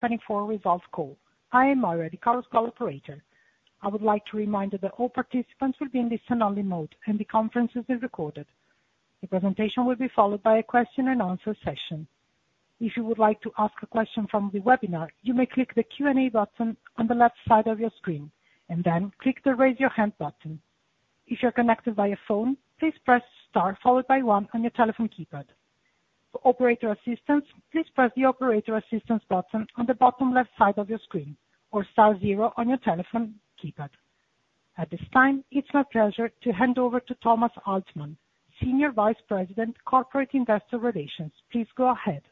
2024 Results Call. I am Mara, the call's operator. I would like to remind you that all participants will be in this anonymous mode and the conference is recorded. The presentation will be followed by a question-and-answer session. If you would like to ask a question from the webinar, you may click the Q&A button on the left side of your screen and then click the raise-your-hand button. If you're connected via phone, please press star followed by one on your telephone keypad. For operator assistance, please press the operator assistance button on the bottom left side of your screen or star zero on your telephone keypad. At this time, it's my pleasure to hand over to Thomas Altmann, Senior Vice President, Corporate Investor Relations. Please go ahead.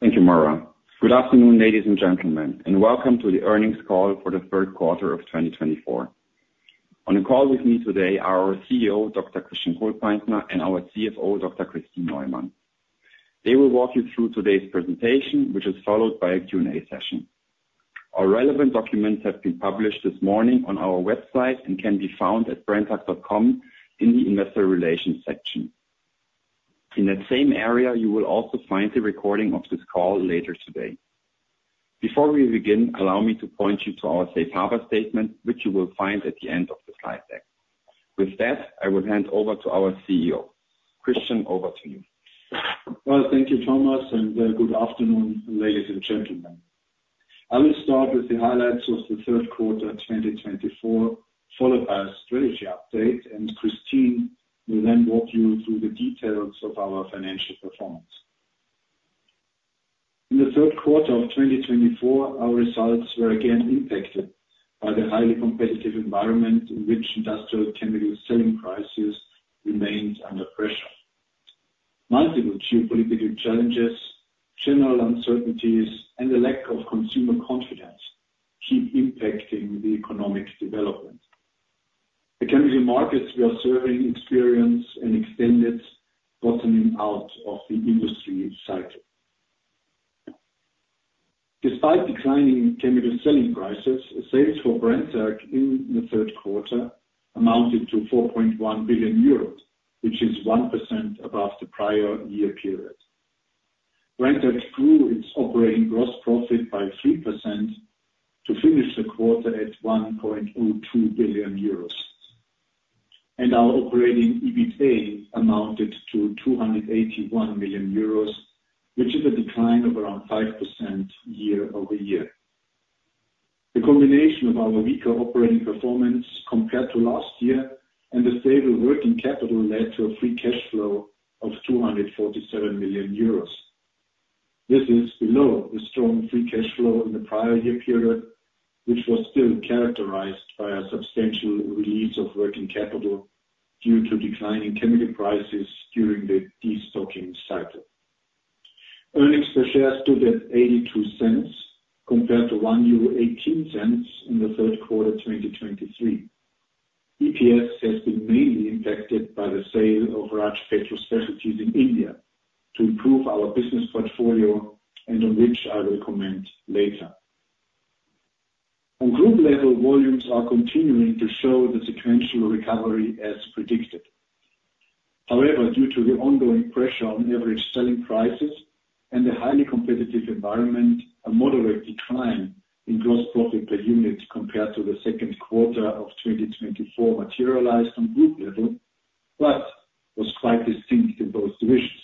Thank you, Mara. Good afternoon, ladies and gentlemen, and welcome to the earnings call for the third quarter of 2024. On the call with me today are our CEO, Dr. Christian Kohlpaintner, and our CFO, Dr. Kristin Neumann. They will walk you through today's presentation, which is followed by a Q&A session. Our relevant documents have been published this morning on our website and can be found at brenntag.com in the Investor Relations section. In that same area, you will also find the recording of this call later today. Before we begin, allow me to point you to our safe harbor statement, which you will find at the end of the slide deck. With that, I will hand over to our CEO. Christian, over to you. Thank you, Thomas, and good afternoon, ladies and gentlemen. I will start with the highlights of the third quarter 2024, followed by a strategy update, and Kristin will then walk you through the details of our financial performance. In the third quarter of 2024, our results were again impacted by the highly competitive environment in which industrial chemical selling prices remained under pressure. Multiple geopolitical challenges, general uncertainties, and the lack of consumer confidence keep impacting the economic development. The chemical markets we are serving experience an extended bottoming out of the industry cycle. Despite declining chemical selling prices, sales for Brenntag in the third quarter amounted to 4.1 billion euros, which is 1% above the prior year period. Brenntag grew its operating gross profit by 3% to finish the quarter at 1.02 billion euros, and our operating EBITA amounted to 281 million euros, which is a decline of around 5% year-over-year. The combination of our weaker operating performance compared to last year and the stable working capital led to a free cash flow of 247 million euros. This is below the strong free cash flow in the prior year period, which was still characterized by a substantial release of working capital due to declining chemical prices during the destocking cycle. Earnings per share stood at 0.82 compared to 1.18 euro in the third quarter 2023. EPS has been mainly impacted by the sale of Raj Petro Specialties in India to improve our business portfolio and on which I will comment later. On group level, volumes are continuing to show the sequential recovery as predicted. However, due to the ongoing pressure on average selling prices and the highly competitive environment, a moderate decline in gross profit per unit compared to the second quarter of 2024 materialized on group level, but was quite distinct in both divisions.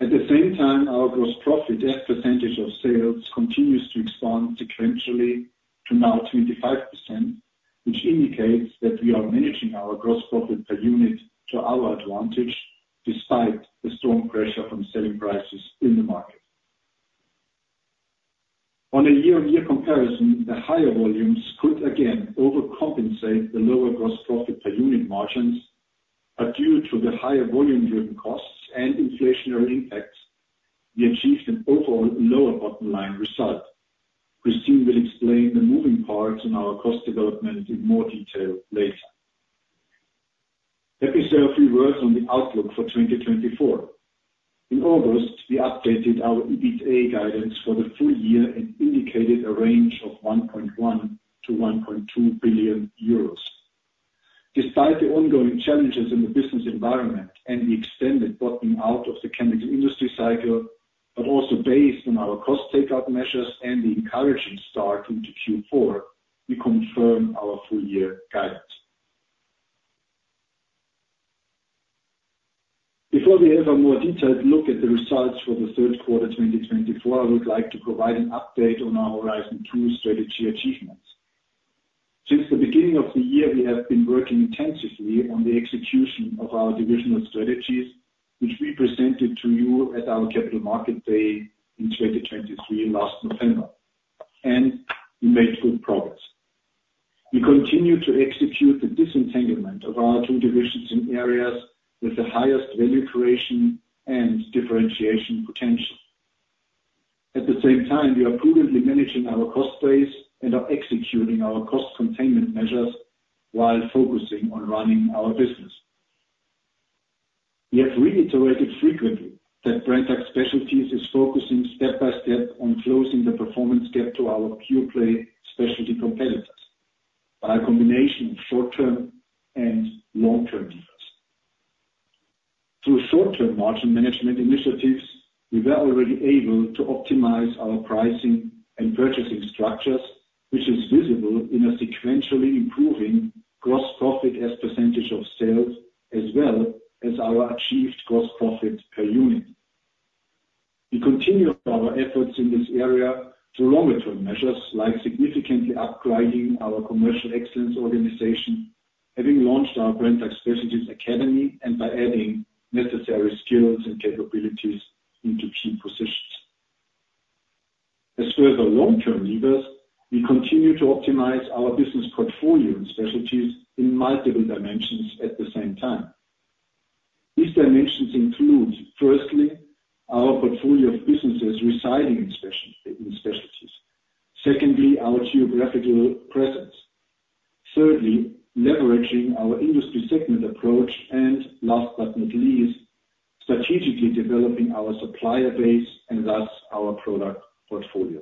At the same time, our gross profit as percentage of sales continues to expand sequentially to now 25%, which indicates that we are managing our gross profit per unit to our advantage despite the strong pressure from selling prices in the market. On a year-on-year comparison, the higher volumes could again overcompensate the lower gross profit per unit margins, but due to the higher volume-driven costs and inflationary impacts, we achieved an overall lower bottom line result. Kristin will explain the moving parts in our cost development in more detail later. Let me say a few words on the outlook for 2024. In August, we updated our EBITA guidance for the full year and indicated a range of 1.1 billion-1.2 billion euros. Despite the ongoing challenges in the business environment and the extended bottoming out of the chemical industry cycle, but also based on our cost takeout measures and the encouraging start into Q4, we confirm our full-year guidance. Before we have a more detailed look at the results for the third quarter 2024, I would like to provide an update on our Horizon 2 strategy achievements. Since the beginning of the year, we have been working intensively on the execution of our divisional strategies, which we presented to you at our Capital Markets Day in 2023 last November, and we made good progress. We continue to execute the disentanglement of our two divisions in areas with the highest value creation and differentiation potential. At the same time, we are prudently managing our cost base and are executing our cost containment measures while focusing on running our business. We have reiterated frequently that Brenntag Specialties is focusing step by step on closing the performance gap to our pure-play specialty competitors by a combination of short-term and long-term deals. Through short-term margin management initiatives, we were already able to optimize our pricing and purchasing structures, which is visible in a sequentially improving gross profit as percentage of sales as well as our achieved gross profit per unit. We continue our efforts in this area through longer-term measures like significantly upgrading our commercial excellence organization, having launched our Brenntag Specialties Academy, and by adding necessary skills and capabilities into key positions. As further long-term leaders, we continue to optimize our business portfolio and Specialties in multiple dimensions at the same time. These dimensions include, firstly, our portfolio of businesses residing in Specialties, secondly, our geographical presence, thirdly, leveraging our industry segment approach, and last but not least, strategically developing our supplier base and thus our product portfolio.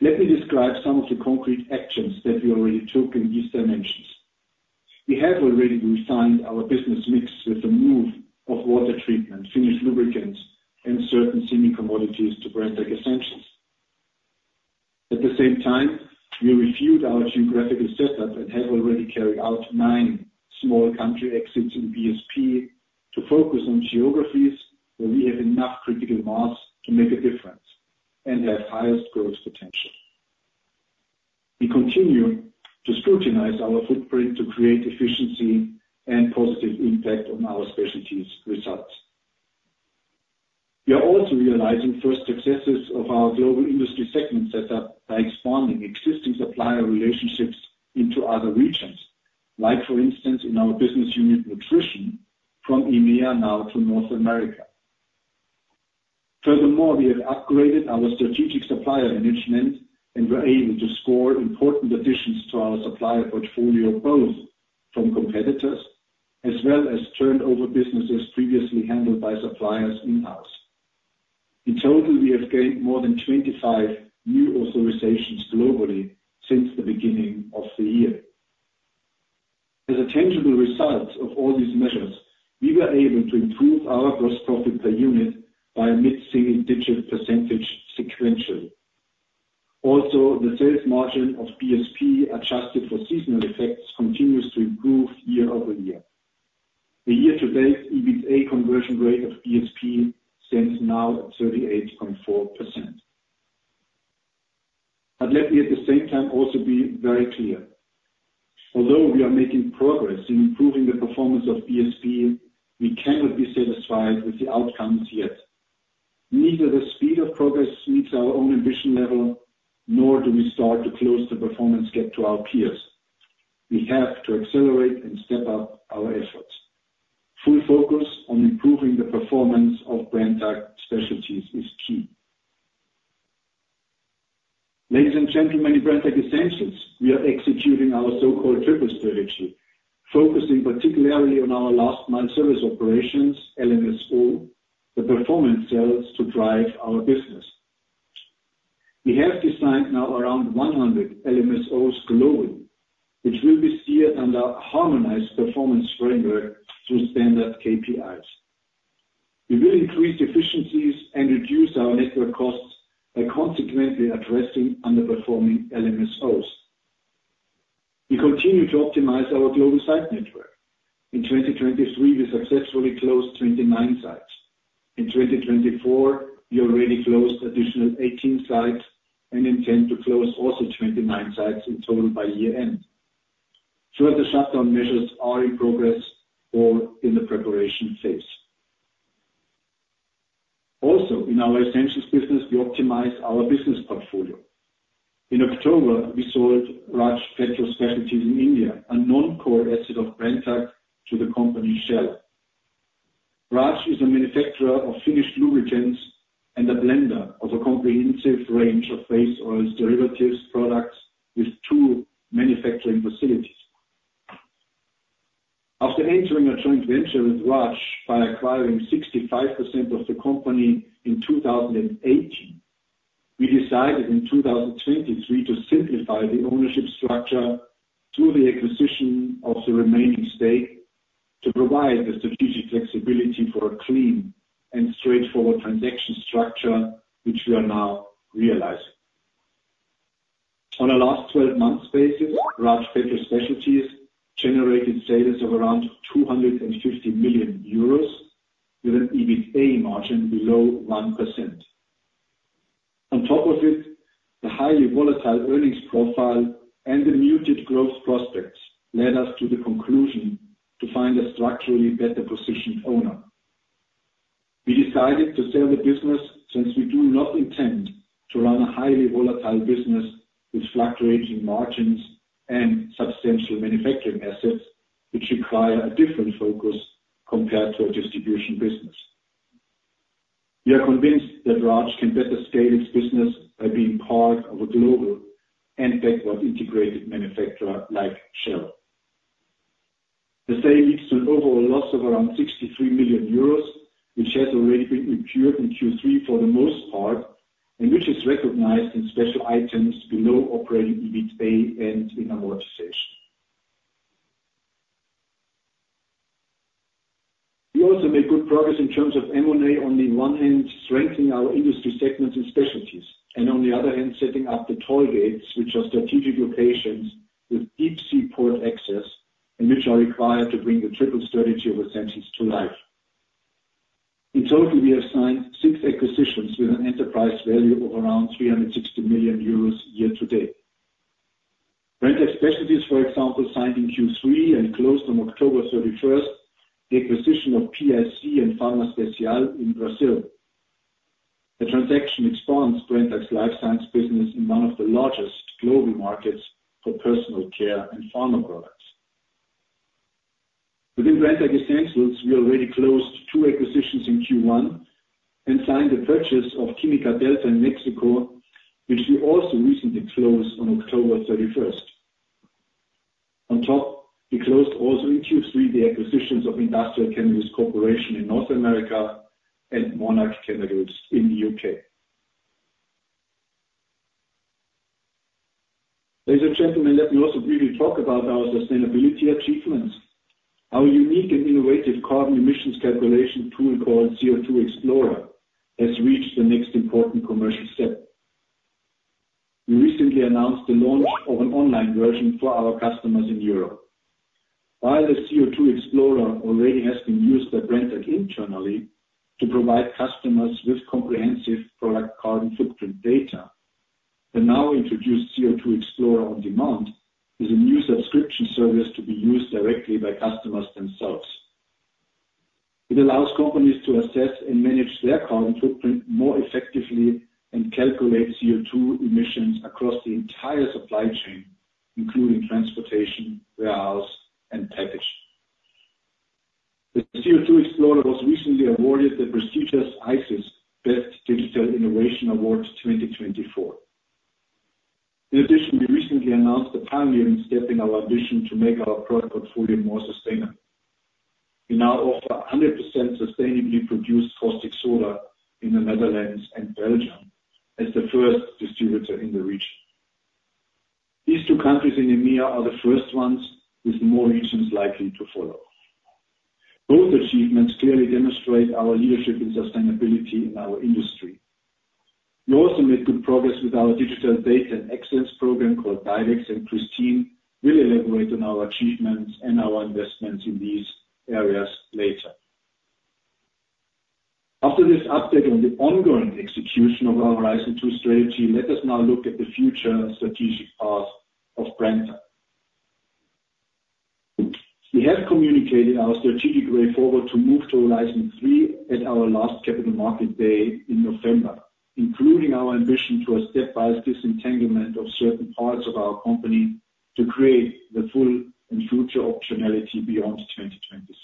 Let me describe some of the concrete actions that we already took in these dimensions. We have already refined our business mix with the move of water treatment, finished lubricants, and certain semi-commodities to Brenntag Essentials. At the same time, we refueled our geographical setup and have already carried out nine small country exits in BSP to focus on geographies where we have enough critical mass to make a difference and have highest growth potential. We continue to scrutinize our footprint to create efficiency and positive impact on our Specialties' results. We are also realizing first successes of our global industry segment setup by expanding existing supplier relationships into other regions, like, for instance, in our Business Unit Nutrition from EMEA now to North America. Furthermore, we have upgraded our strategic supplier management and were able to score important additions to our supplier portfolio both from competitors as well as turned-over businesses previously handled by suppliers in-house. In total, we have gained more than 25 new authorizations globally since the beginning of the year. As a tangible result of all these measures, we were able to improve our gross profit per unit by a mid-single-digit percentage sequentially. Also, the sales margin of BSP adjusted for seasonal effects continues to improve year-over-year. The year-to-date EBITA conversion rate of BSP stands now at 38.4%. But let me, at the same time, also be very clear. Although we are making progress in improving the performance of BSP, we cannot be satisfied with the outcomes yet. Neither the speed of progress meets our own ambition level, nor do we start to close the performance gap to our peers. We have to accelerate and step up our efforts. Full focus on improving the performance of Brenntag Specialties is key. Ladies and gentlemen, in Brenntag Essentials, we are executing our so-called Triple strategy, focusing particularly on our Last Mile Service Operations, LMSO, the Performance Cells to drive our business. We have designed now around 100 LMSOs globally, which will be steered under a harmonized performance framework through standard KPIs. We will increase efficiencies and reduce our network costs by consequently addressing underperforming LMSOs. We continue to optimize our global site network. In 2023, we successfully closed 29 sites. In 2024, we already closed additional 18 sites and intend to close also 29 sites in total by year-end. Further shutdown measures are in progress or in the preparation phase. Also, in our Essentials business, we optimize our business portfolio. In October, we sold Raj Petro Specialties in India, a non-core asset of Brenntag to the company Shell. Raj is a manufacturer of finished lubricants and a blender of a comprehensive range of base oils derivatives products with two manufacturing facilities. After entering a joint venture with Raj by acquiring 65% of the company in 2018, we decided in 2023 to simplify the ownership structure through the acquisition of the remaining stake to provide the strategic flexibility for a clean and straightforward transaction structure, which we are now realizing. On a last 12-month basis, Raj Petro Specialties generated sales of around 250 million euros with an EBITA margin below 1%. On top of it, the highly volatile earnings profile and the muted growth prospects led us to the conclusion to find a structurally better-positioned owner. We decided to sell the business since we do not intend to run a highly volatile business with fluctuating margins and substantial manufacturing assets, which require a different focus compared to a distribution business. We are convinced that Raj can better scale its business by being part of a global and backward-integrated manufacturer like Shell. The sale leads to an overall loss of around 63 million euros, which has already been incurred in Q3 for the most part, and which is recognized in special items below operating EBITA and in amortization. We also made good progress in terms of M&A, on the one hand, strengthening our industry segments and Specialties, and on the other hand, setting up the toll gates, which are strategic locations with deep seaport access and which are required to bring the triple strategy of Essentials to life. In total, we have signed six acquisitions with an enterprise value of around 360 million euros year-to-date. Brenntag Specialties, for example, signed in Q3 and closed on October 31st the acquisition of PIC and PharmaSpecial in Brazil. The transaction expands Brenntag's Life Science business in one of the largest global markets for personal care and pharma products. Within Brenntag Essentials, we already closed two acquisitions in Q1 and signed the purchase of Quimica Delta in Mexico, which we also recently closed on October 31st. On top, we closed also in Q3 the acquisitions of Industrial Chemicals Corporation in North America and Monarch Chemicals in the U.K. Ladies and gentlemen, let me also briefly talk about our sustainability achievements. Our unique and innovative carbon emissions calculation tool called CO2 Explorer has reached the next important commercial step. We recently announced the launch of an online version for our customers in Europe. While the CO2 Explorer already has been used by Brenntag internally to provide customers with comprehensive product carbon footprint data, the now-introduced CO2 Explorer on demand is a new subscription service to be used directly by customers themselves. It allows companies to assess and manage their carbon footprint more effectively and calculate CO2 emissions across the entire supply chain, including transportation, warehouse, and packaging. The CO2 Explorer was recently awarded the prestigious ICIS Best Digital Innovation Award 2024. In addition, we recently announced a pioneering step in our ambition to make our product portfolio more sustainable. We now offer 100% sustainably produced caustic soda in the Netherlands and Belgium as the first distributor in the region. These two countries in EMEA are the first ones with more regions likely to follow. Both achievements clearly demonstrate our leadership in sustainability in our industry. We also made good progress with our digital data and excellence program called DiDEX, and Kristin will elaborate on our achievements and our investments in these areas later. After this update on the ongoing execution of our Horizon 2 strategy, let us now look at the future strategic path of Brenntag. We have communicated our strategic way forward to move to Horizon 3 at our last Capital Markets Day in November, including our ambition to a stepwise disentanglement of certain parts of our company to create the full and future optionality beyond 2026.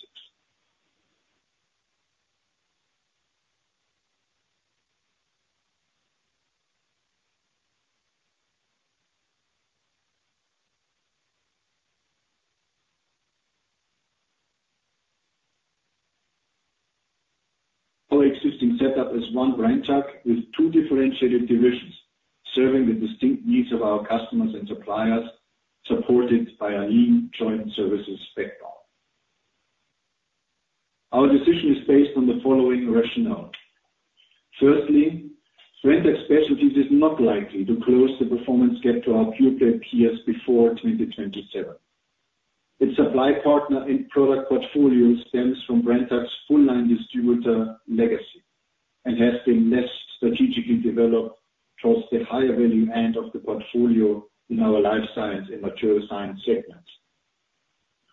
Our existing setup is one Brenntag with two differentiated divisions serving the distinct needs of our customers and suppliers, supported by a joint services backbone. Our decision is based on the following rationale. Firstly, Brenntag Specialties is not likely to close the performance gap to our pure-play peers before 2027. Its supply partner and product portfolio stems from Brenntag's full-line distributor legacy and has been less strategically developed towards the higher value end of the portfolio in our Life Science and Material Science segments.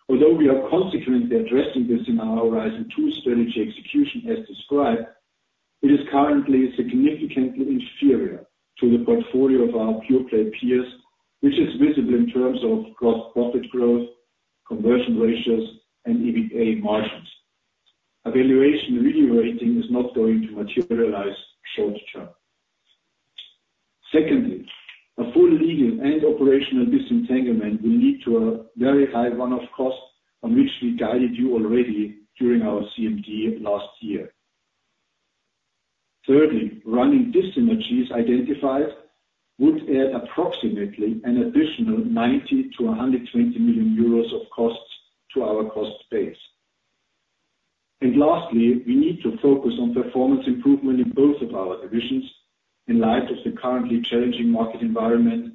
Although we are consequently addressing this in our Horizon 2 strategy execution as described, it is currently significantly inferior to the portfolio of our pure-play peers, which is visible in terms of gross profit growth, conversion ratios, and EBITA margins. Evaluation re-rating is not going to materialize short term. Secondly, a full legal and operational disentanglement will lead to a very high run-off cost on which we guided you already during our CMD last year. Thirdly, running dis-synergies identified would add approximately an additional 90 million-120 million euros of costs to our cost base, and lastly, we need to focus on performance improvement in both of our divisions in light of the currently challenging market environment,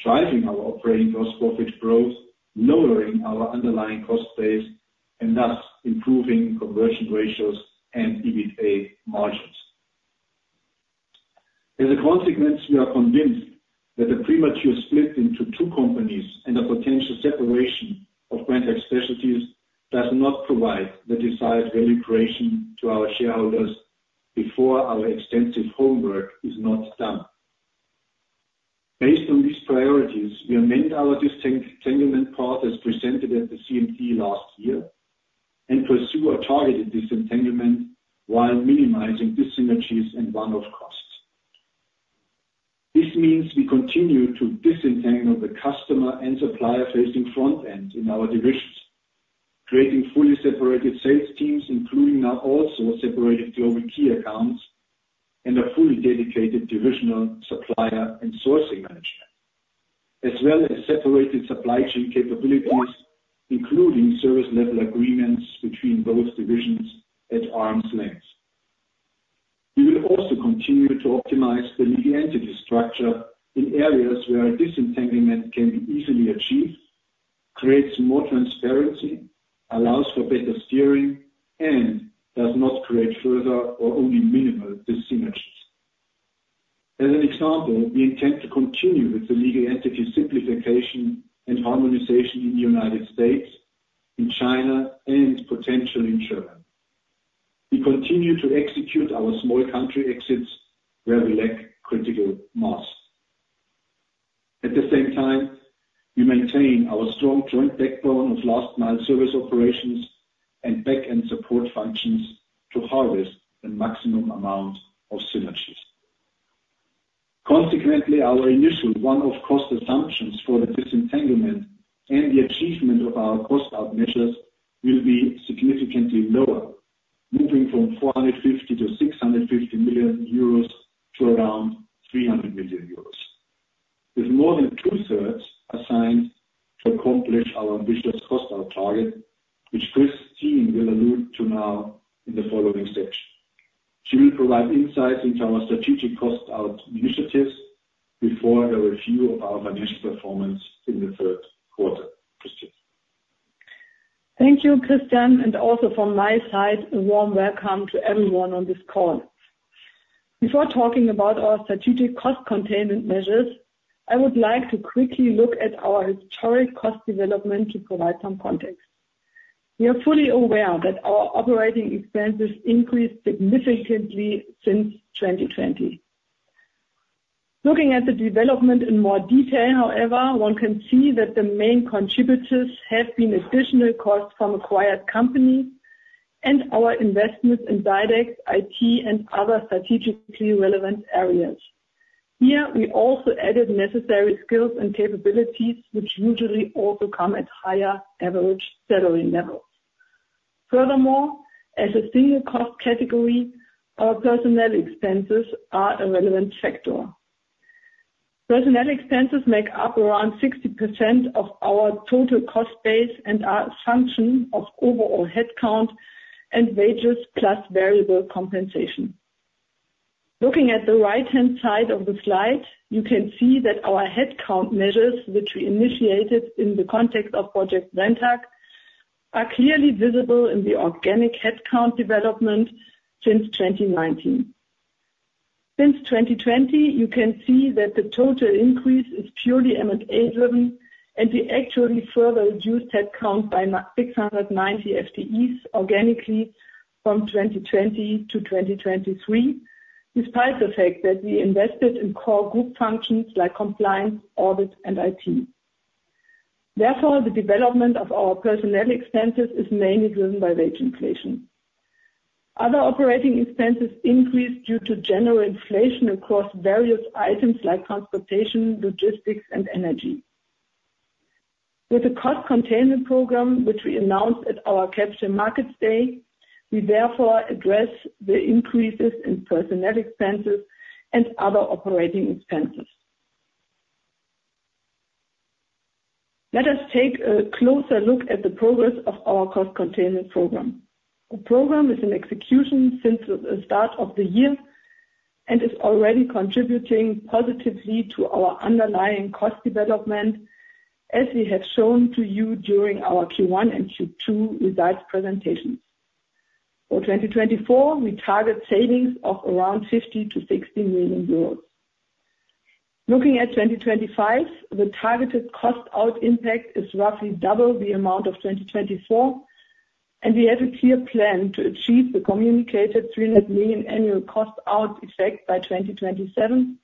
driving our operating gross profit growth, lowering our underlying cost base, and thus improving conversion ratios and EBITA margins. As a consequence, we are convinced that the premature split into two companies and the potential separation of Brenntag Specialties does not provide the desired value creation to our shareholders before our extensive homework is not done. Based on these priorities, we amend our disentanglement path as presented at the CMD last year and pursue a targeted disentanglement while minimizing dis-synergies and run-off costs. This means we continue to disentangle the customer and supplier-facing front end in our divisions, creating fully separated sales teams, including now also separated global key accounts and a fully dedicated divisional supplier and sourcing management, as well as separated supply chain capabilities, including service-level agreements between both divisions at arm's length. We will also continue to optimize the legal entity structure in areas where disentanglement can be easily achieved, creates more transparency, allows for better steering, and does not create further or only minimal dis-synergies. As an example, we intend to continue with the legal entity simplification and harmonization in the United States, in China, and potentially in Germany. We continue to execute our small country exits where we lack critical mass. At the same time, we maintain our strong joint backbone of Last Mile Service Operations and back-end support functions to harvest the maximum amount of synergies. Consequently, our initial run-off cost assumptions for the disentanglement and the achievement of our cost-out measures will be significantly lower, moving from 450 million-650 million euros to around 300 million euros, with more than two-thirds assigned to accomplish our ambitious cost-out target, which Kristin will allude to now in the following section. She will provide insights into our strategic cost-out initiatives before a review of our financial performance in the third quarter. Thank you, Christian. And also from my side, a warm welcome to everyone on this call. Before talking about our strategic cost containment measures, I would like to quickly look at our historic cost development to provide some context. We are fully aware that our operating expenses increased significantly since 2020. Looking at the development in more detail, however, one can see that the main contributors have been additional costs from acquired companies and our investments in DiDEX, IT, and other strategically relevant areas. Here, we also added necessary skills and capabilities, which usually also come at higher average salary levels. Furthermore, as a single cost category, our personnel expenses are a relevant factor. Personnel expenses make up around 60% of our total cost base and are a function of overall headcount and wages plus variable compensation. Looking at the right-hand side of the slide, you can see that our headcount measures, which we initiated in the context of Project Brenntag, are clearly visible in the organic headcount development since 2019. Since 2020, you can see that the total increase is purely M&A-driven, and we actually further reduced headcount by 690 FTEs organically from 2020 to 2023, despite the fact that we invested in core group functions like compliance, audit, and IT. Therefore, the development of our personnel expenses is mainly driven by wage inflation. Other operating expenses increased due to general inflation across various items like transportation, logistics, and energy. With the cost containment program, which we announced at our Capital Markets Day, we therefore address the increases in personnel expenses and other operating expenses. Let us take a closer look at the progress of our cost containment program. The program is in execution since the start of the year and is already contributing positively to our underlying cost development, as we have shown to you during our Q1 and Q2 results presentations. For 2024, we target savings of around 50 million-60 million euros. Looking at 2025, the targeted cost-out impact is roughly double the amount of 2024, and we have a clear plan to achieve the communicated 300 million annual cost-out effect by 2027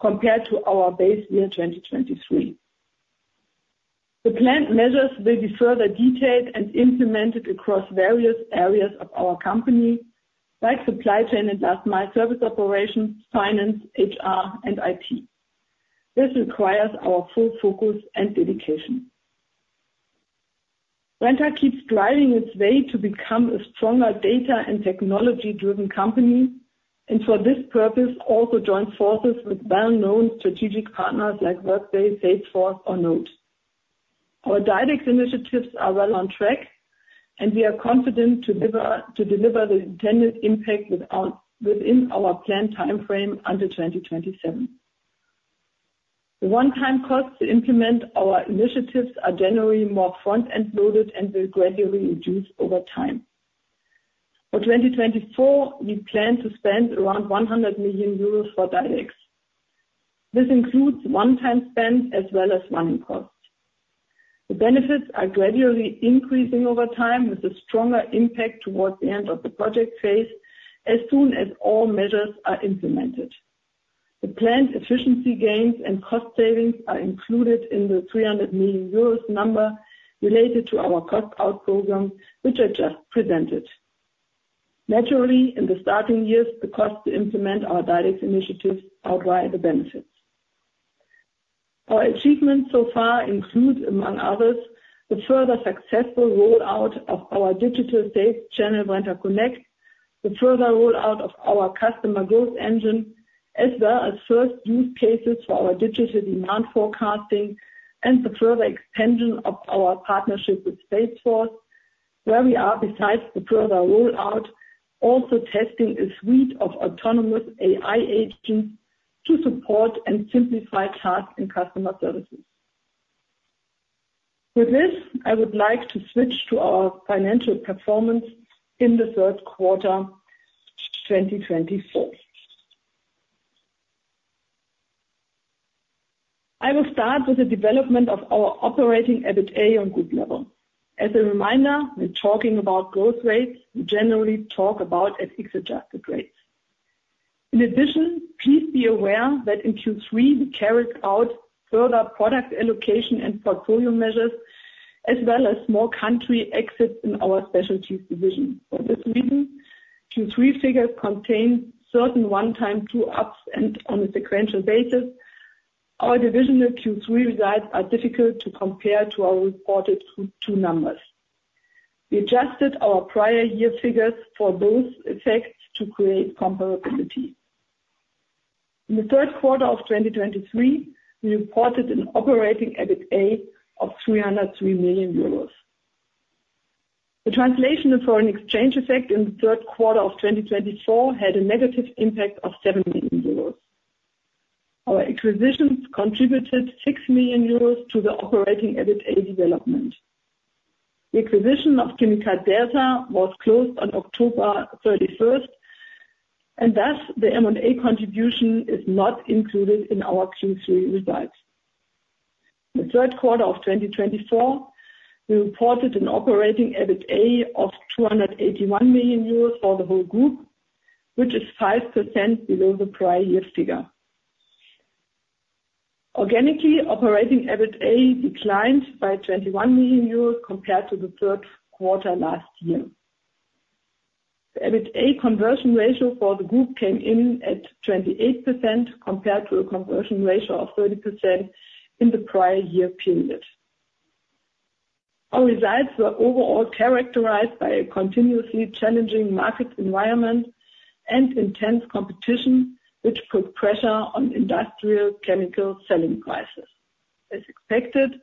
compared to our base year 2023. The planned measures will be further detailed and implemented across various areas of our company, like supply chain and Last Mile Service Operations, finance, HR, and IT. This requires our full focus and dedication. Brenntag keeps driving its way to become a stronger data and technology-driven company, and for this purpose, also joins forces with well-known strategic partners like Workday, Salesforce, or Knowde. Our DiDEX initiatives are well on track, and we are confident to deliver the intended impact within our planned timeframe until 2027. The one-time costs to implement our initiatives are generally more front-end loaded and will gradually reduce over time. For 2024, we plan to spend around 100 million euros for DiDEX. This includes one-time spend as well as running costs. The benefits are gradually increasing over time with a stronger impact towards the end of the project phase as soon as all measures are implemented. The planned efficiency gains and cost savings are included in the 300 million euros number related to our cost-out program, which I just presented. Naturally, in the starting years, the costs to implement our DiDEX initiatives outweigh the benefits. Our achievements so far include, among others, the further successful rollout of our digital sales channel, Brenntag Connect, the further rollout of our Customer Growth Engine, as well as first use cases for our digital demand forecasting, and the further expansion of our partnership with Salesforce, where we are, besides the further rollout, also testing a suite of autonomous AI agents to support and simplify tasks in customer services. With this, I would like to switch to our financial performance in the third quarter 2024. I will start with the development of our operating EBITA on good level. As a reminder, when talking about growth rates, we generally talk about FX-adjusted rates. In addition, please be aware that in Q3, we carried out further product allocation and portfolio measures, as well as small country exits in our Specialties division. For this reason, Q3 figures contain certain one-time true-ups and on a sequential basis. Our divisional Q3 results are difficult to compare to our reported Q2 numbers. We adjusted our prior year figures for those effects to create comparability. In the third quarter of 2023, we reported an operating EBITA of 303 million euros. The translation and foreign exchange effect in the third quarter of 2024 had a negative impact of 7 million euros. Our acquisitions contributed 6 million euros to the operating EBITA development. The acquisition of Quimica Delta was closed on October 31st, and thus the M&A contribution is not included in our Q3 results. In the third quarter of 2024, we reported an operating EBITA of 281 million euros for the whole group, which is 5% below the prior year figure. Organically, operating EBITA declined by 21 million euros compared to the third quarter last year. The EBITA conversion ratio for the group came in at 28% compared to a conversion ratio of 30% in the prior year period. Our results were overall characterized by a continuously challenging market environment and intense competition, which put pressure on industrial chemical selling prices. As expected,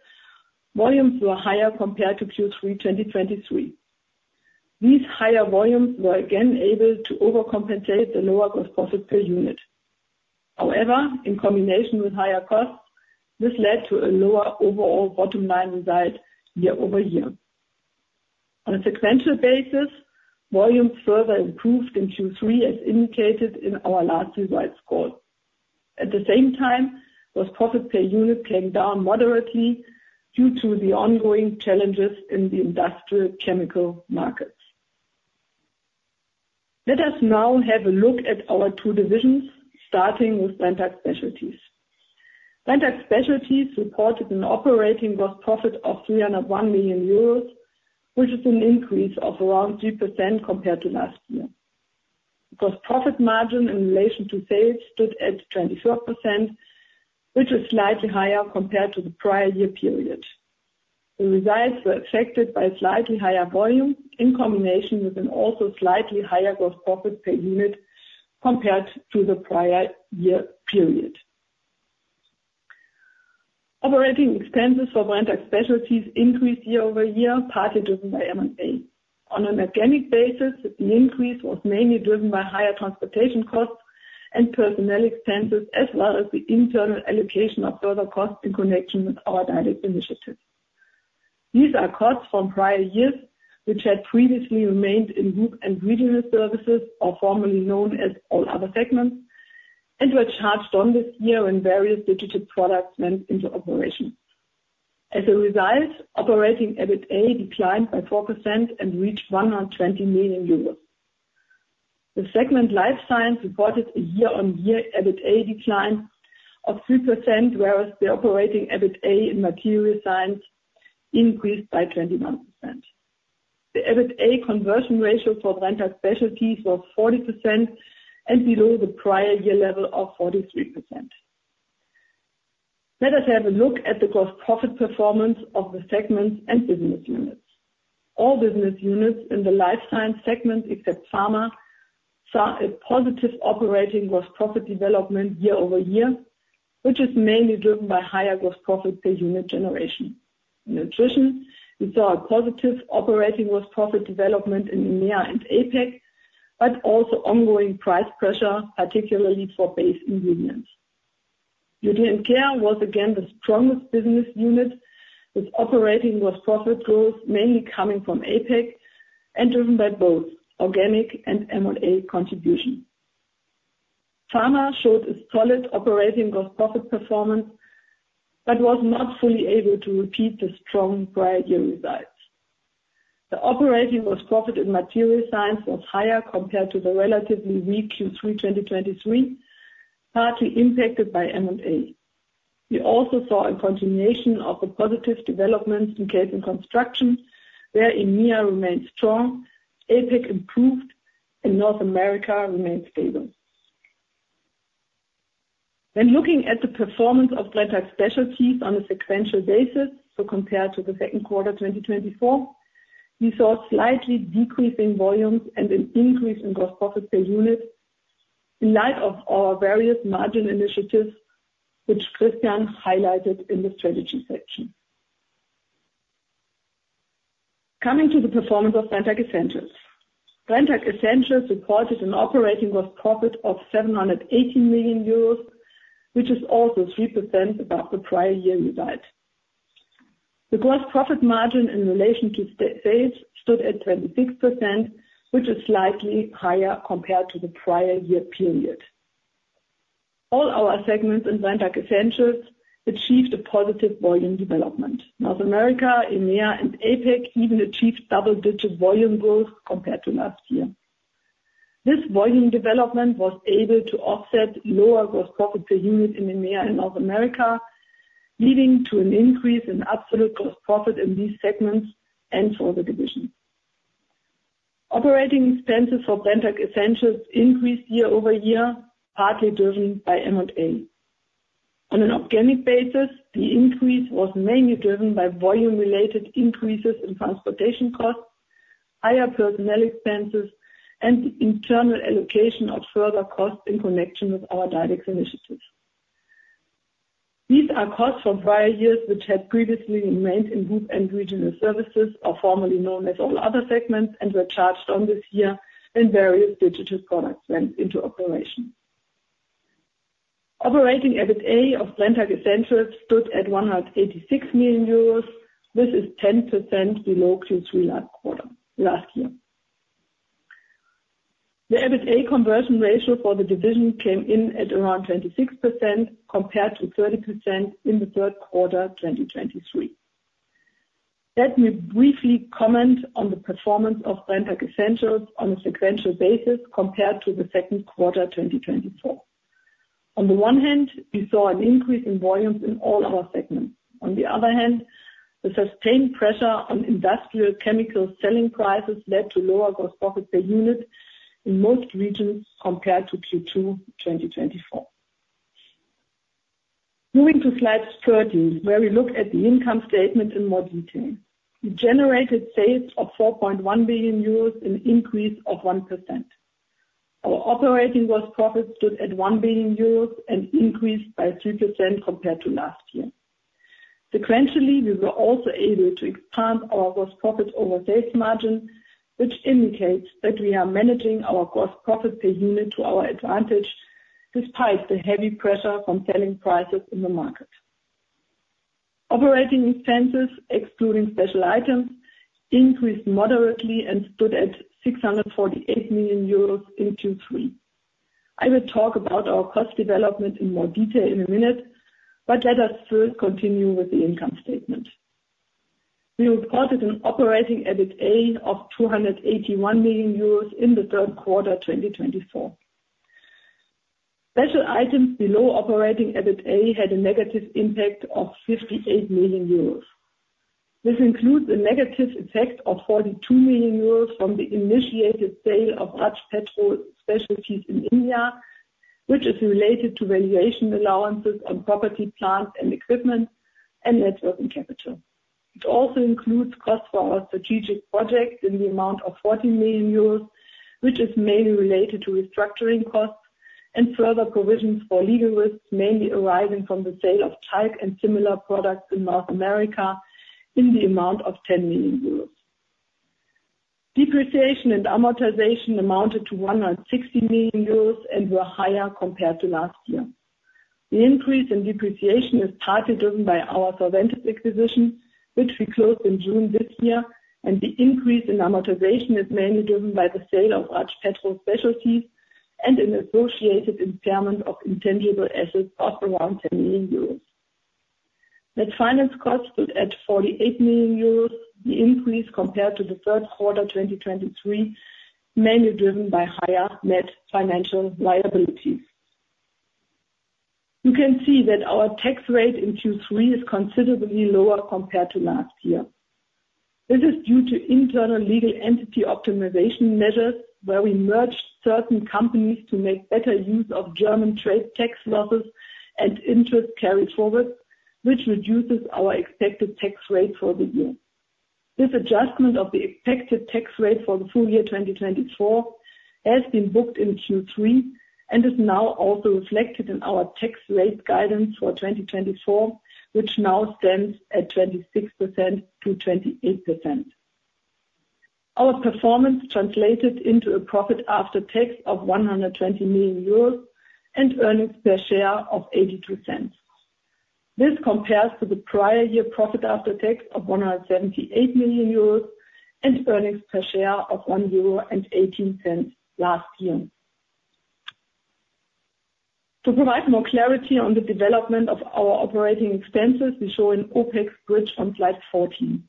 volumes were higher compared to Q3 2023. These higher volumes were again able to overcompensate the lower gross profit per unit. However, in combination with higher costs, this led to a lower overall bottom line result year-over-year. On a sequential basis, volumes further improved in Q3, as indicated in our last results call. At the same time, gross profit per unit came down moderately due to the ongoing challenges in the industrial chemical markets. Let us now have a look at our two divisions, starting with Brenntag Specialties. Brenntag Specialties reported an operating gross profit of 301 million euros, which is an increase of around 3% compared to last year. Gross profit margin in relation to sales stood at 24%, which is slightly higher compared to the prior year period. The results were affected by slightly higher volume in combination with an also slightly higher gross profit per unit compared to the prior year period. Operating expenses for Brenntag Specialties increased year-over-year, partly driven by M&A. On an organic basis, the increase was mainly driven by higher transportation costs and personnel expenses, as well as the internal allocation of further costs in connection with our DiDEX initiative. These are costs from prior years, which had previously remained in group and regional services, or formerly known as all other segments, and were charged on this year when various digital products went into operation. As a result, operating EBITA declined by 4% and reached 120 million euros. The Life Science segment reported a year-on-year EBITA decline of 3%, whereas the operating EBITA in Material Science increased by 21%. The EBITA conversion ratio for Brenntag Specialties was 40% and below the prior year level of 43%. Let us have a look at the gross profit performance of the segments and business units. All business units in the Life Science segment, except Pharma, saw a positive operating gross profit development year-over-year, which is mainly driven by higher gross profit per unit generation. In addition, we saw a positive operating gross profit development in EMEA and APEC, but also ongoing price pressure, particularly for base ingredients. Nutrient Care was again the strongest business unit, with operating gross profit growth mainly coming from APEC and driven by both organic and M&A contribution. Pharma showed a solid operating gross profit performance but was not fully able to repeat the strong prior year results. The operating gross profit in Material Science was higher compared to the relatively weak Q3 2023, partly impacted by M&A. We also saw a continuation of the positive developments in cable construction, where EMEA remained strong, APEC improved, and North America remained stable. When looking at the performance of Brenntag Specialties on a sequential basis, so compared to the second quarter 2024, we saw slightly decreasing volumes and an increase in gross profit per unit in light of our various margin initiatives, which Christian highlighted in the strategy section. Coming to the performance of Brenntag Essentials, Brenntag Essentials reported an operating gross profit of 718 million euros, which is also 3% above the prior year result. The gross profit margin in relation to sales stood at 26%, which is slightly higher compared to the prior year period. All our segments in Brenntag Essentials achieved a positive volume development. North America, EMEA, and APEC even achieved double-digit volume growth compared to last year. This volume development was able to offset lower gross profit per unit in EMEA and North America, leading to an increase in absolute gross profit in these segments and for the divisions. Operating expenses for Brenntag Essentials increased year-over-year, partly driven by M&A. On an organic basis, the increase was mainly driven by volume-related increases in transportation costs, higher personnel expenses, and the internal allocation of further costs in connection with our DiDEX initiative. These are costs from prior years which had previously remained in group and regional services, or formerly known as all other segments, and were charged on this year when various digital products went into operation. Operating EBITA of Brenntag Essentials stood at 186 million euros. This is 10% below Q3 last year. The EBITA conversion ratio for the division came in at around 26% compared to 30% in the third quarter 2023. Let me briefly comment on the performance of Brenntag Essentials on a sequential basis compared to the second quarter 2024. On the one hand, we saw an increase in volumes in all our segments. On the other hand, the sustained pressure on industrial chemical selling prices led to lower gross profit per unit in most regions compared to Q2 2024. Moving to slide 13, where we look at the income statement in more detail, we generated sales of 4.1 million euros and an increase of 1%. Our operating gross profit stood at 1 billion euros and increased by 3% compared to last year. Sequentially, we were also able to expand our gross profit over sales margin, which indicates that we are managing our gross profit per unit to our advantage despite the heavy pressure from selling prices in the market. Operating expenses, excluding special items, increased moderately and stood at 648 million euros in Q3. I will talk about our cost development in more detail in a minute, but let us first continue with the income statement. We reported an operating EBITA of 281 million euros in the third quarter 2024. Special items below operating EBITA had a negative impact of 58 million euros. This includes a negative effect of 42 million euros from the initiated sale of Raj Petro Specialties in India, which is related to valuation allowances on property, plant, and equipment, and working capital. It also includes costs for our strategic project in the amount of 40 million euros, which is mainly related to restructuring costs and further provisions for legal risks mainly arising from the sale of talc and similar products in North America in the amount of 10 million euros. Depreciation and amortization amounted to 160 million euros and were higher compared to last year. The increase in depreciation is partly driven by our Solventis acquisition, which we closed in June this year, and the increase in amortization is mainly driven by the sale of Raj Petro Specialties and an associated impairment of intangible assets of around 10 million euros. Net finance costs stood at 48 million euros, the increase compared to the third quarter 2023, mainly driven by higher net financial liabilities. You can see that our tax rate in Q3 is considerably lower compared to last year. This is due to internal legal entity optimization measures, where we merged certain companies to make better use of German trade tax losses and interest carry forward, which reduces our expected tax rate for the year. This adjustment of the expected tax rate for the full year 2024 has been booked in Q3 and is now also reflected in our tax rate guidance for 2024, which now stands at 26%-28%. Our performance translated into a profit after tax of 120 million euros and earnings per share of 0.82. This compares to the prior year profit after tax of 178 million euros and earnings per share of 1.18 euros last year. To provide more clarity on the development of our operating expenses, we show an OpEx bridge on slide 14.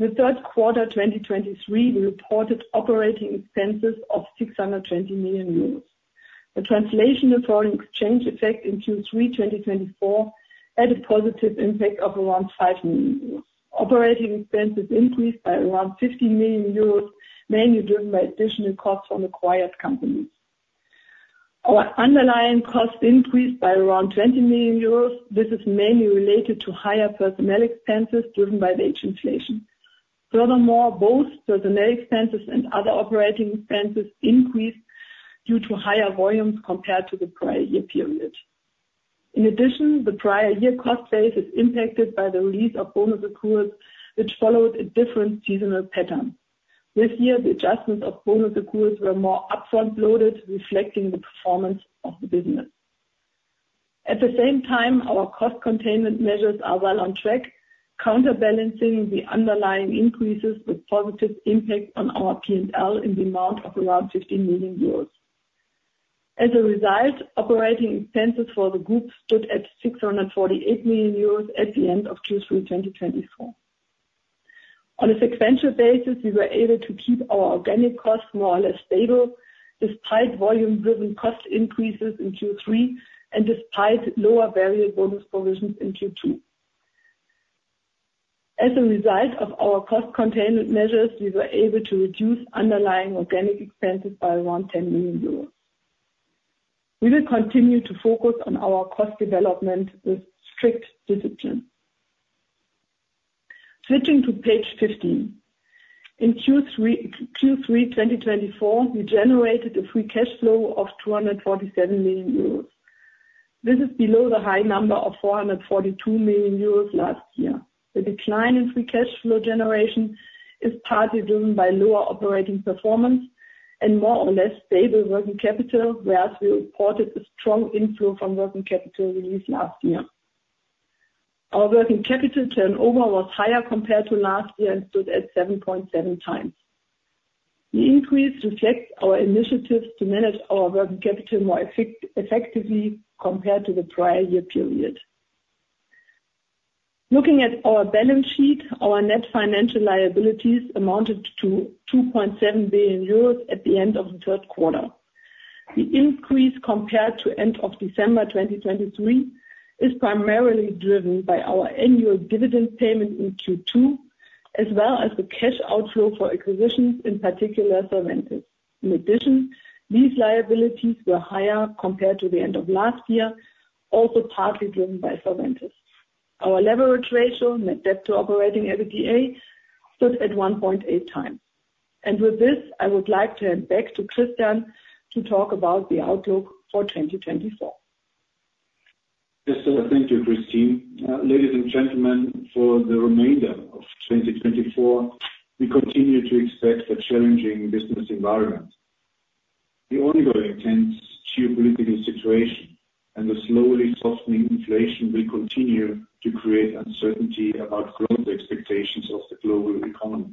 In the third quarter 2023, we reported operating expenses of 620 million euros. The translation for an exchange effect in Q3 2024 had a positive impact of around 5 million euros. Operating expenses increased by around 15 million euros, mainly driven by additional costs from acquired companies. Our underlying costs increased by around 20 million euros. This is mainly related to higher personnel expenses driven by wage inflation. Furthermore, both personnel expenses and other operating expenses increased due to higher volumes compared to the prior year period. In addition, the prior year cost base is impacted by the release of bonus accruals, which followed a different seasonal pattern. This year, the adjustments of bonus accruals were more upfront loaded, reflecting the performance of the business. At the same time, our cost containment measures are well on track, counterbalancing the underlying increases with positive impact on our P&L in the amount of around 15 million euros. As a result, operating expenses for the group stood at 648 million euros at the end of Q3 2024. On a sequential basis, we were able to keep our organic costs more or less stable despite volume-driven cost increases in Q3 and despite lower variable bonus provisions in Q2. As a result of our cost containment measures, we were able to reduce underlying organic expenses by around 10 million euros. We will continue to focus on our cost development with strict discipline. Switching to page 15, in Q3 2024, we generated a free cash flow of 247 million euros. This is below the high number of 442 million euros last year. The decline in free cash flow generation is partly driven by lower operating performance and more or less stable working capital, whereas we reported a strong inflow from working capital released last year. Our working capital turnover was higher compared to last year and stood at 7.7 times. The increase reflects our initiatives to manage our working capital more effectively compared to the prior year period. Looking at our balance sheet, our net financial liabilities amounted to 2.7 billion euros at the end of the third quarter. The increase compared to the end of December 2023 is primarily driven by our annual dividend payment in Q2, as well as the cash outflow for acquisitions, in particular Solventis. In addition, these liabilities were higher compared to the end of last year, also partly driven by Solventis. Our leverage ratio, net debt to operating EBITA, stood at 1.8 times. And with this, I would like to hand back to Christian to talk about the outlook for 2024. Yes, thank you, Kristin. Ladies and gentlemen, for the remainder of 2024, we continue to expect a challenging business environment. The ongoing tense geopolitical situation and the slowly softening inflation will continue to create uncertainty about growth expectations of the global economy.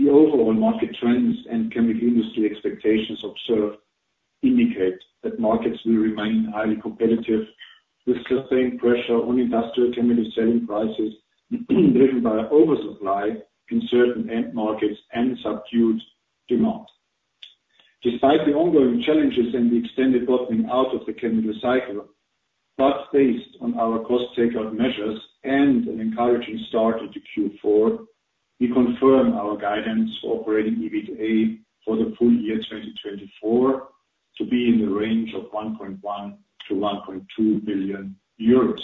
The overall market trends and chemical industry expectations observed indicate that markets will remain highly competitive, with sustained pressure on industrial chemical selling prices driven by oversupply in certain end markets and subdued demand. Despite the ongoing challenges and the extended bottoming out of the chemical cycle, but based on our cost takeout measures and an encouraging start into Q4, we confirm our guidance for operating EBITA for the full year 2024 to be in the range of 1.1 million-1.2 billion euros.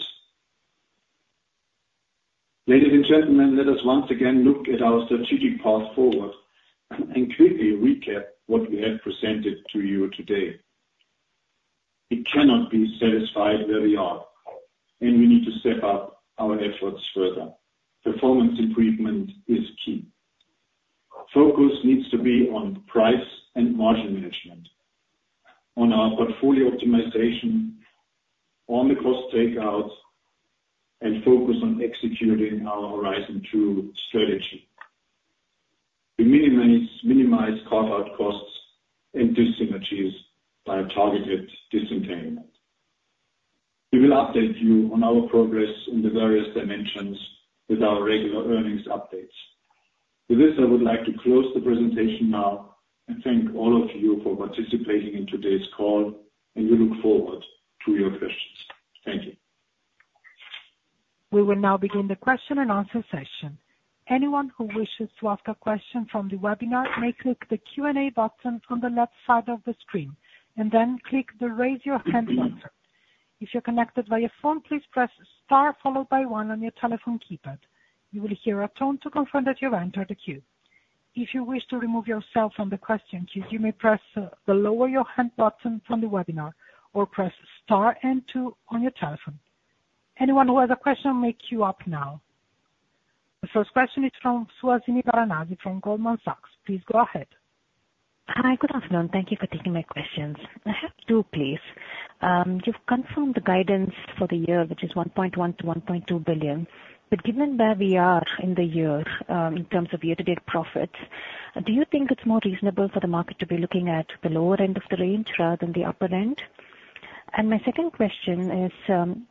Ladies and gentlemen, let us once again look at our strategic path forward and quickly recap what we have presented to you today. We cannot be satisfied where we are, and we need to step up our efforts further. Performance improvement is key. Focus needs to be on price and margin management, on our portfolio optimization, on the cost takeout, and focus on executing our Horizon 2 strategy. We minimize carve-out costs and dis-synergies by targeted disentanglement. We will update you on our progress in the various dimensions with our regular earnings updates. With this, I would like to close the presentation now and thank all of you for participating in today's call, and we look forward to your questions. Thank you. We will now begin the question-and-answer session. Anyone who wishes to ask a question from the webinar may click the Q&A button on the left side of the screen and then click the Raise Your Hand button. If you're connected via phone, please press Star followed by One on your telephone keypad. You will hear a tone to confirm that you've entered a queue. If you wish to remove yourself from the question queue, you may press the Lower Your Hand button from the webinar or press Star and Two on your telephone. Anyone who has a question may queue up now. The first question is from Suhasini Varanasi from Goldman Sachs. Please go ahead. Hi, good afternoon. Thank you for taking my questions. I have two, please. You've confirmed the guidance for the year, which is 1.1 million-1.2 billion. But given where we are in the year in terms of year-to-date profits, do you think it's more reasonable for the market to be looking at the lower end of the range rather than the upper end? And my second question is